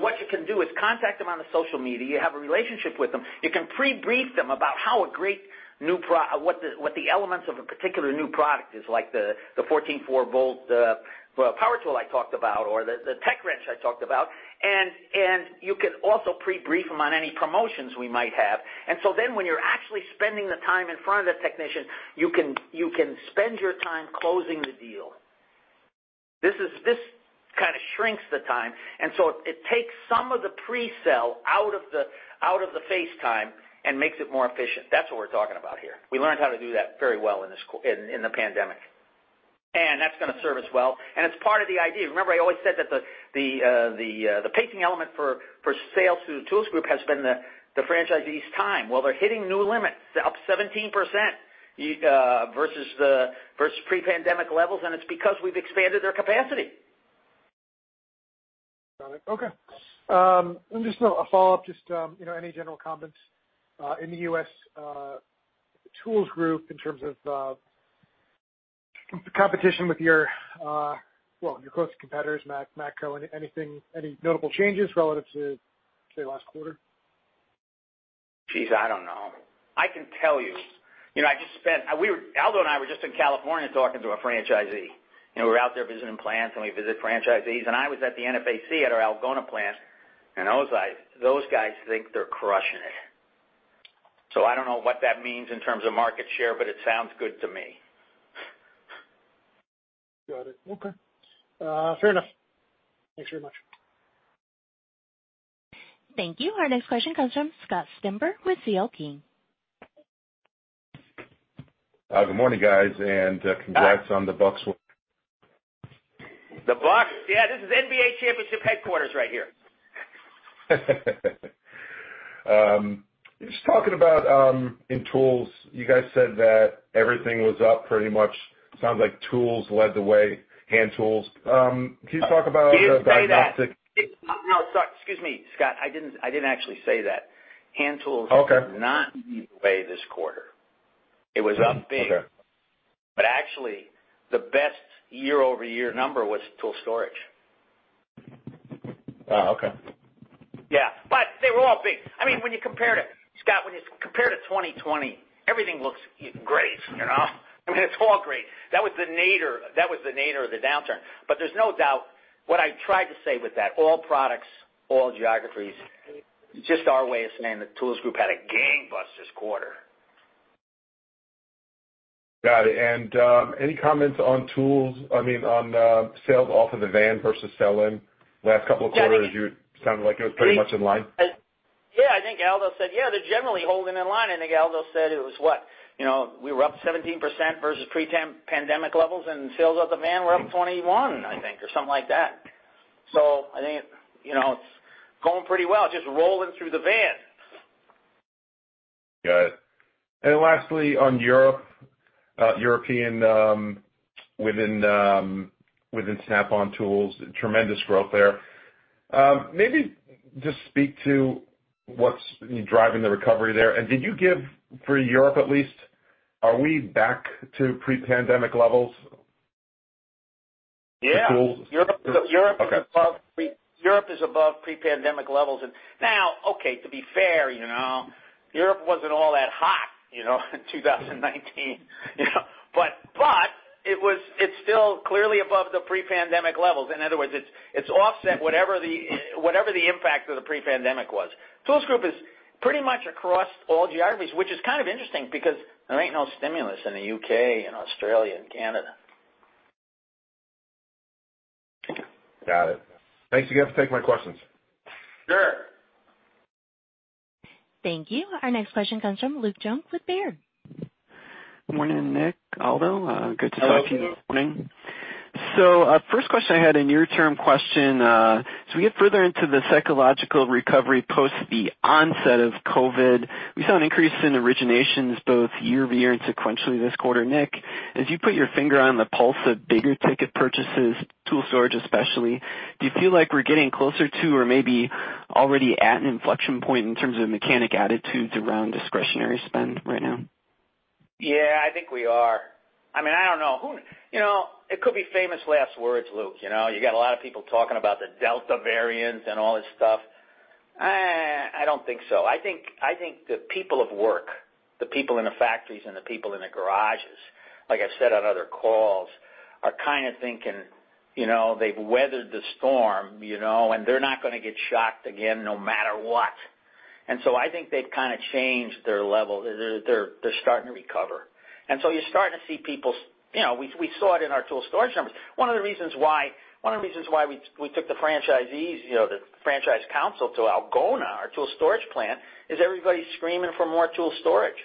What you can do is contact them on the social media, you have a relationship with them. You can pre-brief them about what the elements of a particular new product is, like the 14.4 volt power tool I talked about or the Techwrench I talked about. You can also pre-brief them on any promotions we might have. When you're actually spending the time in front of the technician, you can spend your time closing the deal. This kind of shrinks the time, it takes some of the pre-sell out of the face time and makes it more efficient. That's what we're talking about here. We learned how to do that very well in the pandemic. That's going to serve us well. It's part of the idea. Remember, I always said that the pacing element for sales through the Tools Group has been the franchisees' time. Well, they're hitting new limits, up 17% versus pre-pandemic levels, it's because we've expanded their capacity. Just a follow-up, just any general comments in the U.S. Tools Group in terms of competition with your closest competitors, Matco. Any notable changes relative to, say, last quarter? Jeez, I don't know. I can tell you. Aldo and I were just in California talking to a franchisee. We're out there visiting plants, and we visit franchisees, and I was at the NFAC at our Algona plant, and I was like, "Those guys think they're crushing it." I don't know what that means in terms of market share, but it sounds good to me. Got it. Okay. Fair enough. Thanks very much. Thank you. Our next question comes from Scott Stember with C.L. King. Good morning, guys, and congrats on the Bucks win. The Bucks? Yeah, this is NBA championship headquarters right here. Just talking about in Tools, you guys said that everything was up pretty much. Sounds like Tools led the way, hand tools. Can you talk about the diagnostic- No, sorry. Excuse me, Scott, I didn't actually say that. Hand tools- Okay did not lead the way this quarter. It was up big. Okay. Actually, the best year-over-year number was tool storage. Oh, okay. Yeah. They were all big. Scott, when you compare to 2020, everything looks great. It's all great. That was the nadir of the downturn. There's no doubt what I tried to say with that, all products, all geographies, just our way of saying the Tools Group had a gang bust this quarter. Got it. Any comments on sales off of the van versus sell-in? Last couple of quarters, you sounded like it was pretty much in line. Yeah, I think Aldo said, they're generally holding in line. I think Aldo said it was what? We were up 17% versus pre-pandemic levels, sales out the van were up 21, I think, or something like that. I think it's going pretty well, just rolling through the van. Got it. Lastly, on European within Snap-on Tools, tremendous growth there. Maybe just speak to what's driving the recovery there. Did you give, for Europe at least, are we back to pre-pandemic levels for tools? Yeah. Okay. Europe is above pre-pandemic levels. Now, okay, to be fair, Europe wasn't all that hot in 2019. It's still clearly above the pre-pandemic levels. In other words, it's offset whatever the impact of the pre-pandemic was. Tools Group is pretty much across all geographies, which is kind of interesting because there ain't no stimulus in the U.K. and Australia and Canada. Got it. Thanks again for taking my questions. Sure. Thank you. Our next question comes from Luke Junk with Baird. Good morning, Nick, Aldo. Good to talk to you this morning. Hello, Luke. First question, I had a near-term question. As we get further into the psychological recovery post the onset of COVID-19, we saw an increase in originations both year-over-year and sequentially this quarter. Nick, as you put your finger on the pulse of bigger ticket purchases, tool storage especially, do you feel like we're getting closer to or maybe already at an inflection point in terms of mechanic attitudes around discretionary spend right now? Yeah, I think we are. I don't know. It could be famous last words, Luke. You got a lot of people talking about the Delta variant and all this stuff. I don't think so. I think the people of work, the people in the factories, and the people in the garages, like I've said on other calls, are kind of thinking they've weathered the storm, and they're not going to get shocked again no matter what. I think they've kind of changed their level. They're starting to recover. You're starting to see people. We saw it in our tool storage numbers. One of the reasons why we took the franchisees, the franchise council, to Algona, our tool storage plant, is everybody's screaming for more tool storage.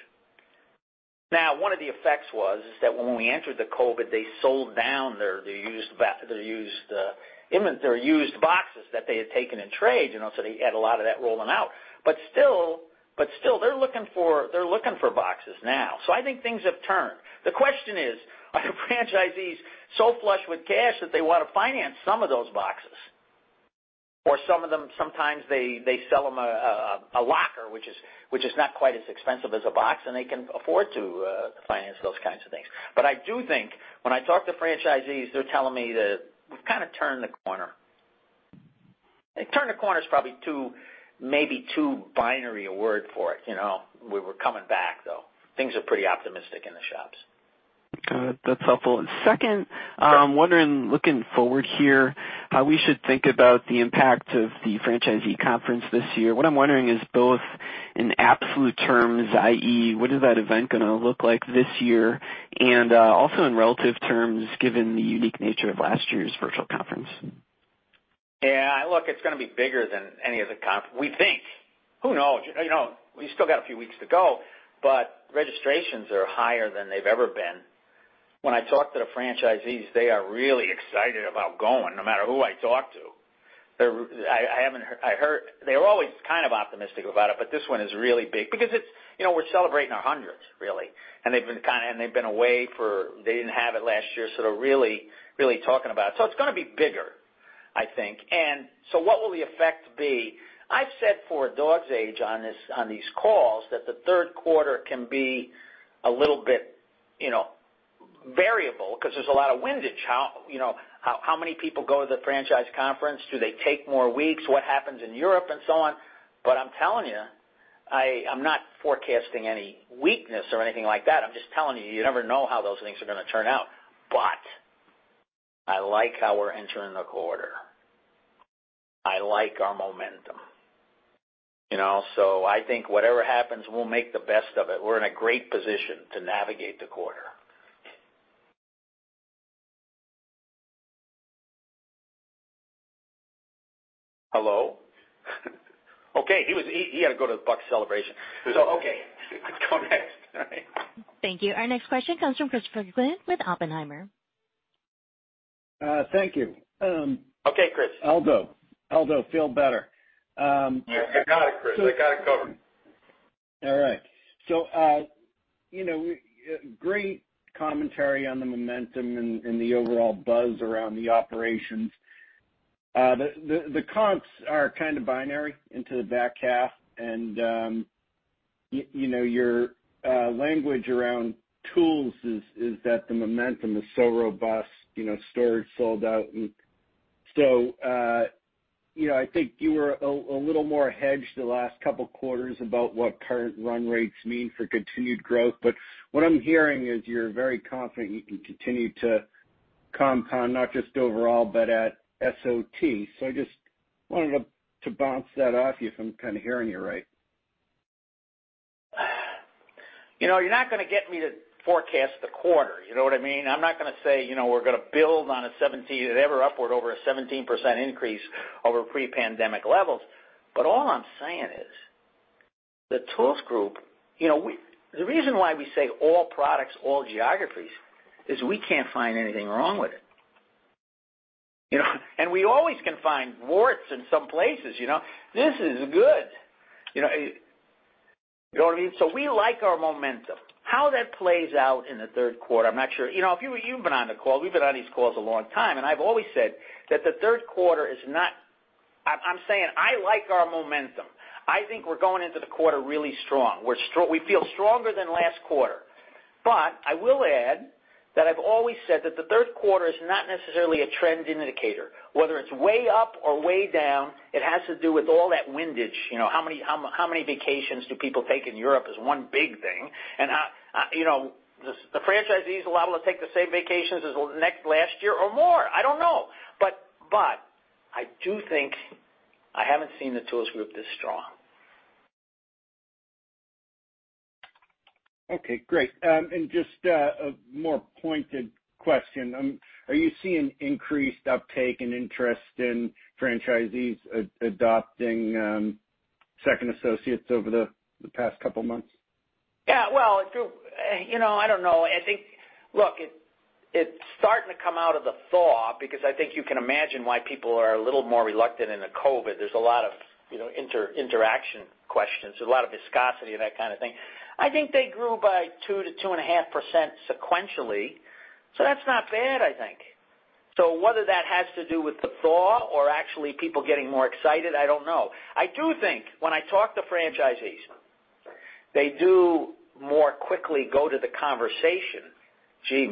One of the effects was that when we entered the COVID-19, they sold down their used boxes that they had taken in trades, so they had a lot of that rolling out. They're looking for boxes now. I think things have turned. The question is, are franchisees so flush with cash that they want to finance some of those boxes? Some of them, sometimes they sell them a locker, which is not quite as expensive as a box, and they can afford to finance those kinds of things. I do think when I talk to franchisees, they're telling me that we've kind of turned the corner. Turn the corner is probably maybe too binary a word for it. We were coming back, though. Things are pretty optimistic in the shops. Got it. That's helpful. Second, I'm wondering, looking forward here, how we should think about the impact of the franchisee conference this year. What I'm wondering is both in absolute terms, i.e., what is that event going to look like this year? Also in relative terms, given the unique nature of last year's virtual conference. Look, it's going to be bigger than any other conference, we think. Who knows? We still got a few weeks to go, but registrations are higher than they've ever been. When I talk to the franchisees, they are really excited about going, no matter who I talk to. They're always kind of optimistic about it, but this one is really big because we're celebrating our 100th, really, and they've been away. They didn't have it last year, so they're really talking about it. It's going to be bigger, I think. What will the effect be? I've said for a dog's age on these calls that the third quarter can be a little bit variable because there's a lot of windage. How many people go to the franchise conference? Do they take more weeks? What happens in Europe and so on? I'm telling you, I'm not forecasting any weakness or anything like that. I'm just telling you never know how those things are going to turn out. I like how we're entering the quarter. I like our momentum. I think whatever happens, we'll make the best of it. We're in a great position to navigate the quarter. Hello? Okay, he had to go to the Bucs celebration. Okay. Go ahead. Thank you. Our next question comes from Christopher Glynn with Oppenheimer. Thank you. Okay, Chris. Aldo. Aldo, feel better. I got it, Chris. I got it covered. All right. Great commentary on the momentum and the overall buzz around the operations. The comps are kind of binary into the back half, and your language around tools is that the momentum is so robust, storage sold out. I think you were a little more hedged the last couple quarters about what current run rates mean for continued growth. What I'm hearing is you're very confident you can continue to compound not just overall but at SOT. I just wanted to bounce that off you if I'm kind of hearing you right. You're not going to get me to forecast the quarter. You know what I mean? I'm not going to say we're going to build on a 17% or ever upward over a 17% increase over pre-pandemic levels. All I'm saying is the Tools Group. The reason why we say all products, all geographies is we can't find anything wrong with it. We always can find warts in some places. This is good. You know what I mean? We like our momentum. How that plays out in the third quarter, I'm not sure. You've been on the call. We've been on these calls a long time, and I've always said that the third quarter is not. I'm saying I like our momentum. I think we're going into the quarter really strong. We feel stronger than last quarter. I will add that I've always said that the third quarter is not necessarily a trending indicator. Whether it's way up or way down, it has to do with all that windage. How many vacations do people take in Europe is one big thing. The franchisees are liable to take the same vacations as last year or more. I don't know. I do think I haven't seen the Tools Group this strong. Okay, great. Just a more pointed question. Are you seeing increased uptake and interest in franchisees adopting second associates over the past couple of months? Yeah. Well, I don't know. Look, it's starting to come out of the thaw because I think you can imagine why people are a little more reluctant into COVID. There's a lot of interaction questions. There's a lot of viscosity and that kind of thing. I think they grew by 2%-2.5% sequentially. That's not bad, I think. Whether that has to do with the thaw or actually people getting more excited, I don't know. I do think when I talk to franchisees, they do more quickly go to the conversation, "Gee,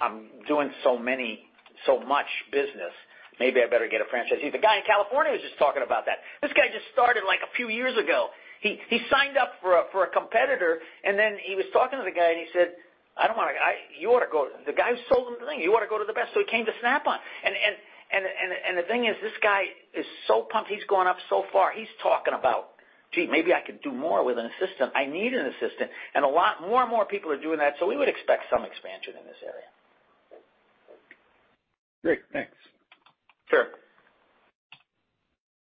I'm doing so much business. Maybe I better get a franchisee." The guy in California was just talking about that. This guy just started a few years ago. He signed up for a competitor. He was talking to the guy. He said, "You ought to go." The guy who sold him the thing. "You ought to go to the best." He came to Snap-on. The thing is, this guy is so pumped. He's gone up so far. He's talking about, "Gee, maybe I could do more with an assistant. I need an assistant." A lot more and more people are doing that. We would expect some expansion in this area. Great. Thanks. Sure.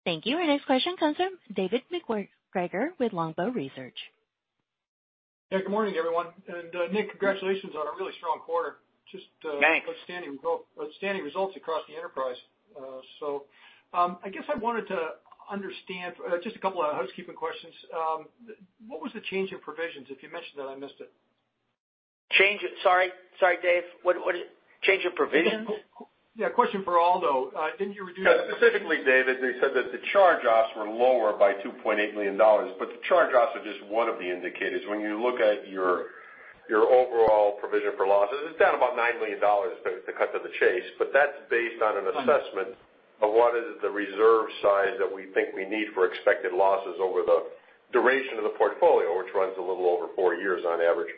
Thank you. Our next question comes from David MacGregor with Longbow Research. Yeah, good morning, everyone. Nick, congratulations on a really strong quarter. Thanks. Just outstanding results across the enterprise. I guess I wanted to understand just a couple of housekeeping questions. What was the change in provisions? If you mentioned that, I missed it. Change in Sorry, Dave. Change in provisions? A question for Aldo. Didn't you reduce Specifically, David, they said that the charge-offs were lower by $2.8 million. The charge-offs are just one of the indicators. When you look at your overall provision for losses, it's down about $9 million to cut to the chase. That's based on an assessment of what is the reserve size that we think we need for expected losses over the duration of the portfolio, which runs a little over four years on average.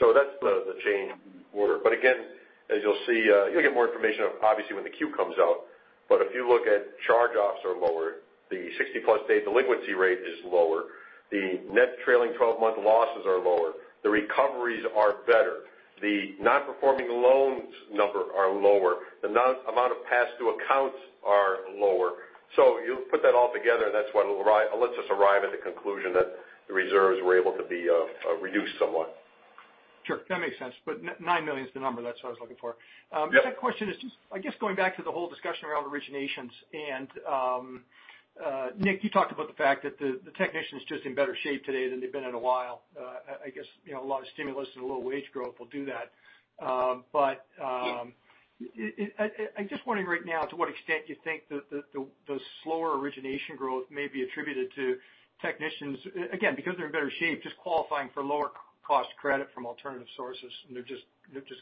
That's the change in quarter. Again, as you'll see, you'll get more information, obviously, when the Q comes out. If you look at charge-offs are lower, the 60-plus day delinquency rate is lower. The net trailing 12-month losses are lower. The recoveries are better. The non-performing loans number are lower. The amount of pass-through accounts are lower. You put that all together, and that's what lets us arrive at the conclusion that the reserves were able to be reduced somewhat. Sure, that makes sense. $9 million is the number. That's what I was looking for. Yep. The second question is just, I guess, going back to the whole discussion around originations. Nick, you talked about the fact that the technicians are just in better shape today than they've been in a while. I guess a lot of stimulus and low wage growth will do that. Yeah I'm just wondering right now to what extent you think the slower origination growth may be attributed to technicians, again, because they're in better shape, just qualifying for lower cost credit from alternative sources, and they're just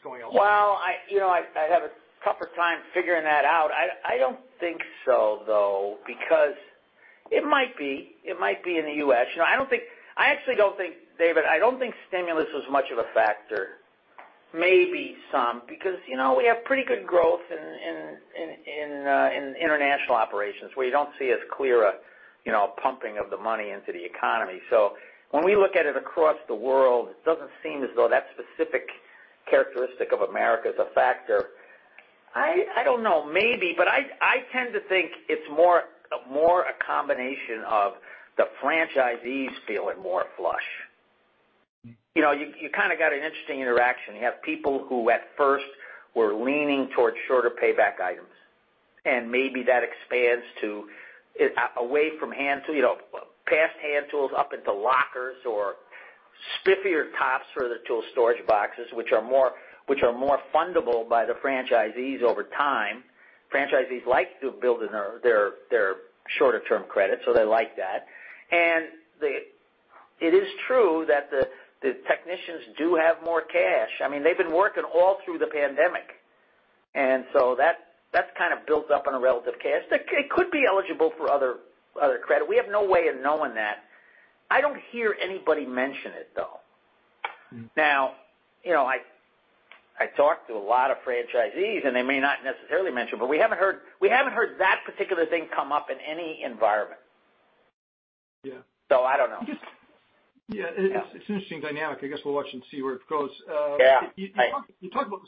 going elsewhere. Well, I'd have a tougher time figuring that out. I don't think so, though, because it might be in the U.S. I actually don't think, David, I don't think stimulus was much of a factor. Maybe some, because we have pretty good growth in international operations where you don't see as clear a pumping of the money into the economy. When we look at it across the world, it doesn't seem as though that specific characteristic of America is a factor. I don't know. Maybe. I tend to think it's more a combination of the franchisees feeling more flush. You kind of got an interesting interaction. You have people who at first were leaning towards shorter payback items, and maybe that expands away from hand tools, past hand tools up into lockers or spiffier tops for the tool storage boxes, which are more fundable by the franchisees over time. Franchisees like to build in their shorter-term credit, they like that. It is true that the technicians do have more cash. They've been working all through the pandemic, that's kind of built up in a relative cash. They could be eligible for other credit. We have no way of knowing that. I don't hear anybody mention it, though. Now, I talk to a lot of franchisees, and they may not necessarily mention it, but we haven't heard that particular thing come up in any environment. Yeah. I don't know. Yeah. It's an interesting dynamic. I guess we'll watch and see where it goes. Yeah. You talked about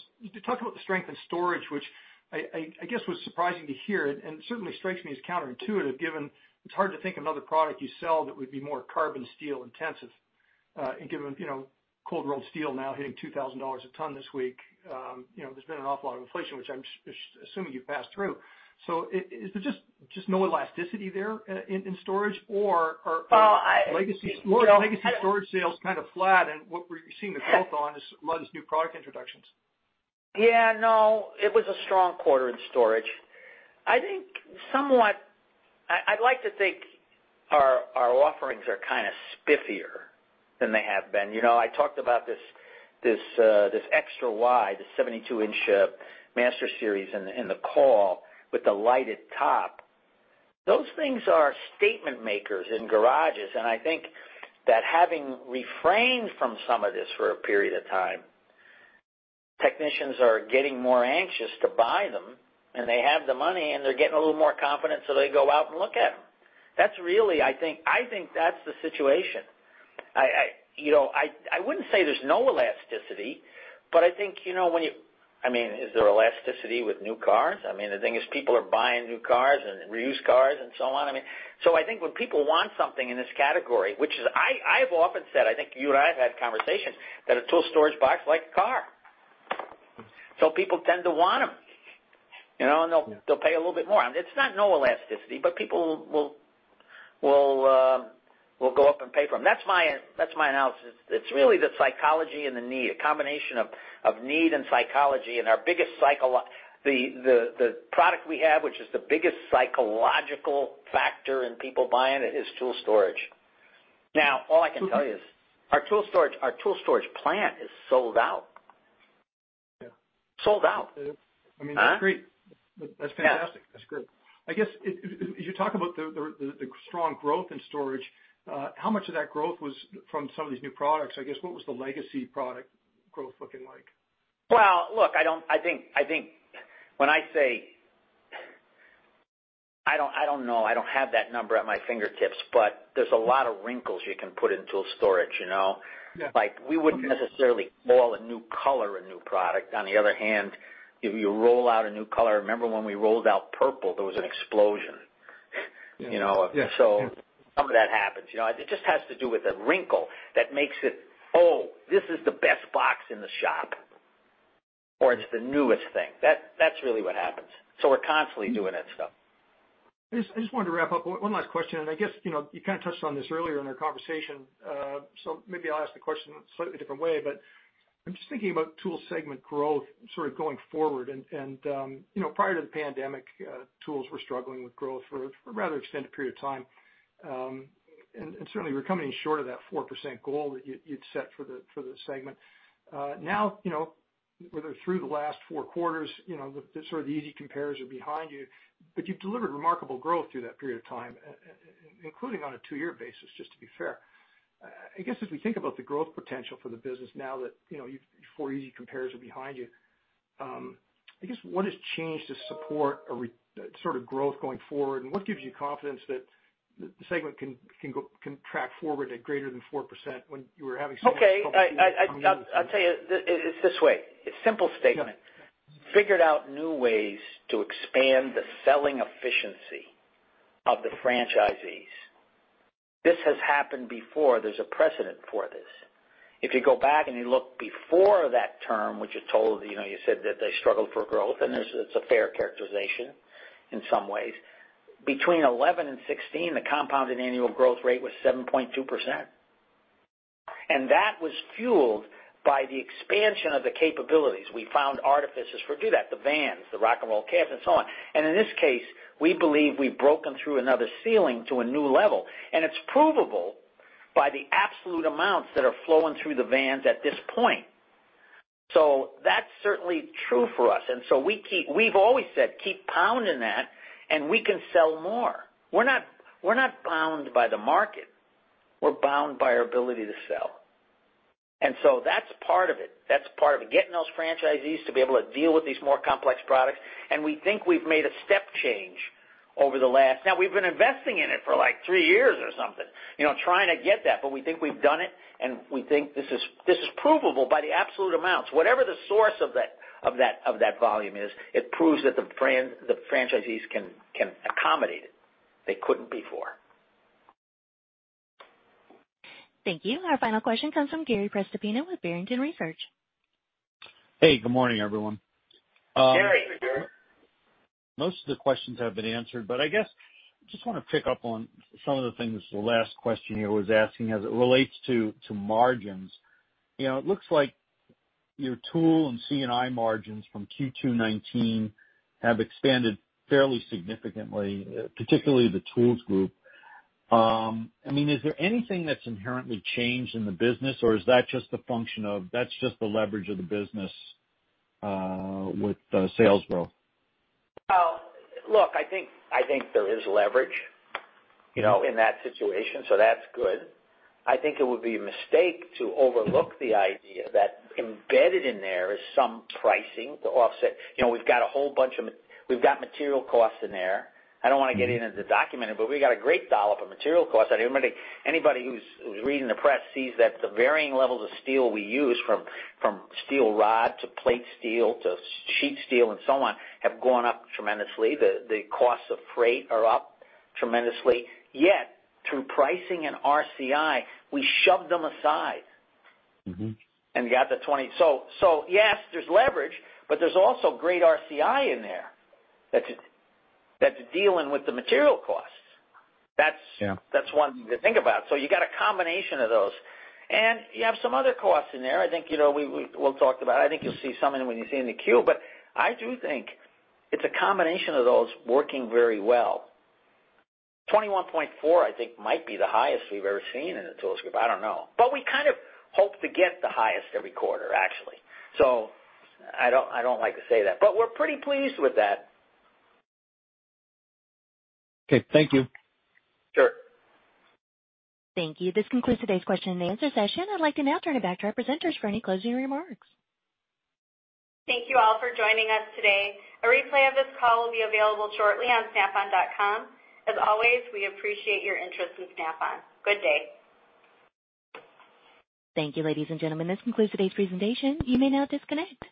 the strength in storage, which I guess was surprising to hear, and certainly strikes me as counterintuitive given it's hard to think of another product you sell that would be more carbon steel intensive. Given cold-rolled steel now hitting $2,000 a ton this week, there's been an awful lot of inflation, which I'm assuming you've passed through. Is there just no elasticity there in storage? Well, legacy storage sales kind of flat, and what we're seeing the growth on is new product introductions. Yeah. No, it was a strong quarter in storage. I'd like to think our offerings are kind of spiffier than they have been. I talked about this extra wide, the 72-inch Masters Series in the call with the lighted top. Those things are statement makers in garages, and I think that having refrained from some of this for a period of time, technicians are getting more anxious to buy them, and they have the money, and they're getting a little more confident, so they go out and look at them. I think that's the situation. I wouldn't say there's no elasticity, but I think when you Is there elasticity with new cars? The thing is, people are buying new cars and used cars and so on. I think when people want something in this category, which is I've often said, I think you and I have had conversations that a tool storage box is like a car. People tend to want them, and they'll pay a little bit more. It's not no elasticity, but people will go up and pay for them. That's my analysis. It's really the psychology and the need, a combination of need and psychology, and the product we have, which is the biggest psychological factor in people buying it, is tool storage. All I can tell you is our tool storage plan is sold out. Yeah. Sold out. I mean, that's great. Huh? That's fantastic. Yes. That's great. I guess, as you talk about the strong growth in storage, how much of that growth was from some of these new products? I guess, what was the legacy product growth looking like? Well, look, I don't know. I don't have that number at my fingertips, but there's a lot of wrinkles you can put in tool storage. Yeah. Like, we wouldn't necessarily call a new color a new product. On the other hand, if you roll out a new color, remember when we rolled out purple, there was an explosion. Yes. Some of that happens. It just has to do with a wrinkle that makes it, oh, this is the best box in the shop, or it's the newest thing. That's really what happens. We're constantly doing that stuff. I just wanted to wrap up. One last question. I guess, you kind of touched on this earlier in our conversation, maybe I'll ask the question in a slightly different way, but I'm just thinking about tool segment growth sort of going forward and, prior to the pandemic, tools were struggling with growth for a rather extended period of time. Certainly, we're coming short of that 4% goal that you'd set for the segment. Whether through the last 4 quarters, the sort of easy compares are behind you, but you've delivered remarkable growth through that period of time, including on a 2-year basis, just to be fair. I guess as we think about the growth potential for the business now that your 4 easy compares are behind you, I guess, what has changed to support a sort of growth going forward, and what gives you confidence that the segment can track forward at greater than 4% when you were having some difficulty- Okay. I'll tell you. It's this way, a simple statement. Yeah. Figured out new ways to expand the selling efficiency of the franchisees. This has happened before. There's a precedent for this. If you go back and you look before that term, which is total, you said that they struggled for growth, and it's a fair characterization in some ways. Between 2011 and 2016, the compounded annual growth rate was 7.2%, and that was fueled by the expansion of the capabilities. We found artifices for do that, the vans, the Lock 'N Roll, and so on. In this case, we believe we've broken through another ceiling to a new level, and it's provable by the absolute amounts that are flowing through the vans at this point. That's certainly true for us, we've always said, keep pounding that and we can sell more. We're not bound by the market. We're bound by our ability to sell. That's part of it. That's part of it. Getting those franchisees to be able to deal with these more complex products, and we think we've made a step change over the last. We've been investing in it for, like, three years or something, trying to get that. We think we've done it, and we think this is provable by the absolute amounts. Whatever the source of that volume is, it proves that the franchisees can accommodate it. They couldn't before. Thank you. Our final question comes from Gary Prestopino with Barrington Research. Hey, good morning, everyone. Gary. Most of the questions have been answered. I guess just want to pick up on some of the things the last question here was asking as it relates to margins. It looks like your tool and C&I margins from Q2 2019 have expanded fairly significantly, particularly the Tools Group. Is there anything that's inherently changed in the business, or is that just a function of that's just the leverage of the business with the sales growth? Well, look, I think there is leverage in that situation. That's good. I think it would be a mistake to overlook the idea that embedded in there is some pricing to offset. We've got material costs in there. I don't want to get into the documented. We got a great dollop of material costs, and anybody who's reading the press sees that the varying levels of steel we use, from steel rod to plate steel to sheet steel and so on, have gone up tremendously. The costs of freight are up tremendously. Yet, through pricing and RCI, we shoved them aside. Got the 20%. Yes, there's leverage. There's also great RCI in there that's dealing with the material costs. Yeah. That's one thing to think about. You got a combination of those, and you have some other costs in there. I think we'll talk about it. I think you'll see some of them when you see in the Q. I do think it's a combination of those working very well. 21.4%, I think, might be the highest we've ever seen in the Tools Group. I don't know. We kind of hope to get the highest every quarter, actually. I don't like to say that. We're pretty pleased with that. Okay, thank you. Sure. Thank you. This concludes today's question and answer session. I'd like to now turn it back to our presenters for any closing remarks. Thank you all for joining us today. A replay of this call will be available shortly on snapon.com. As always, we appreciate your interest in Snap-on. Good day. Thank you, ladies and gentlemen. This concludes today's presentation. You may now disconnect.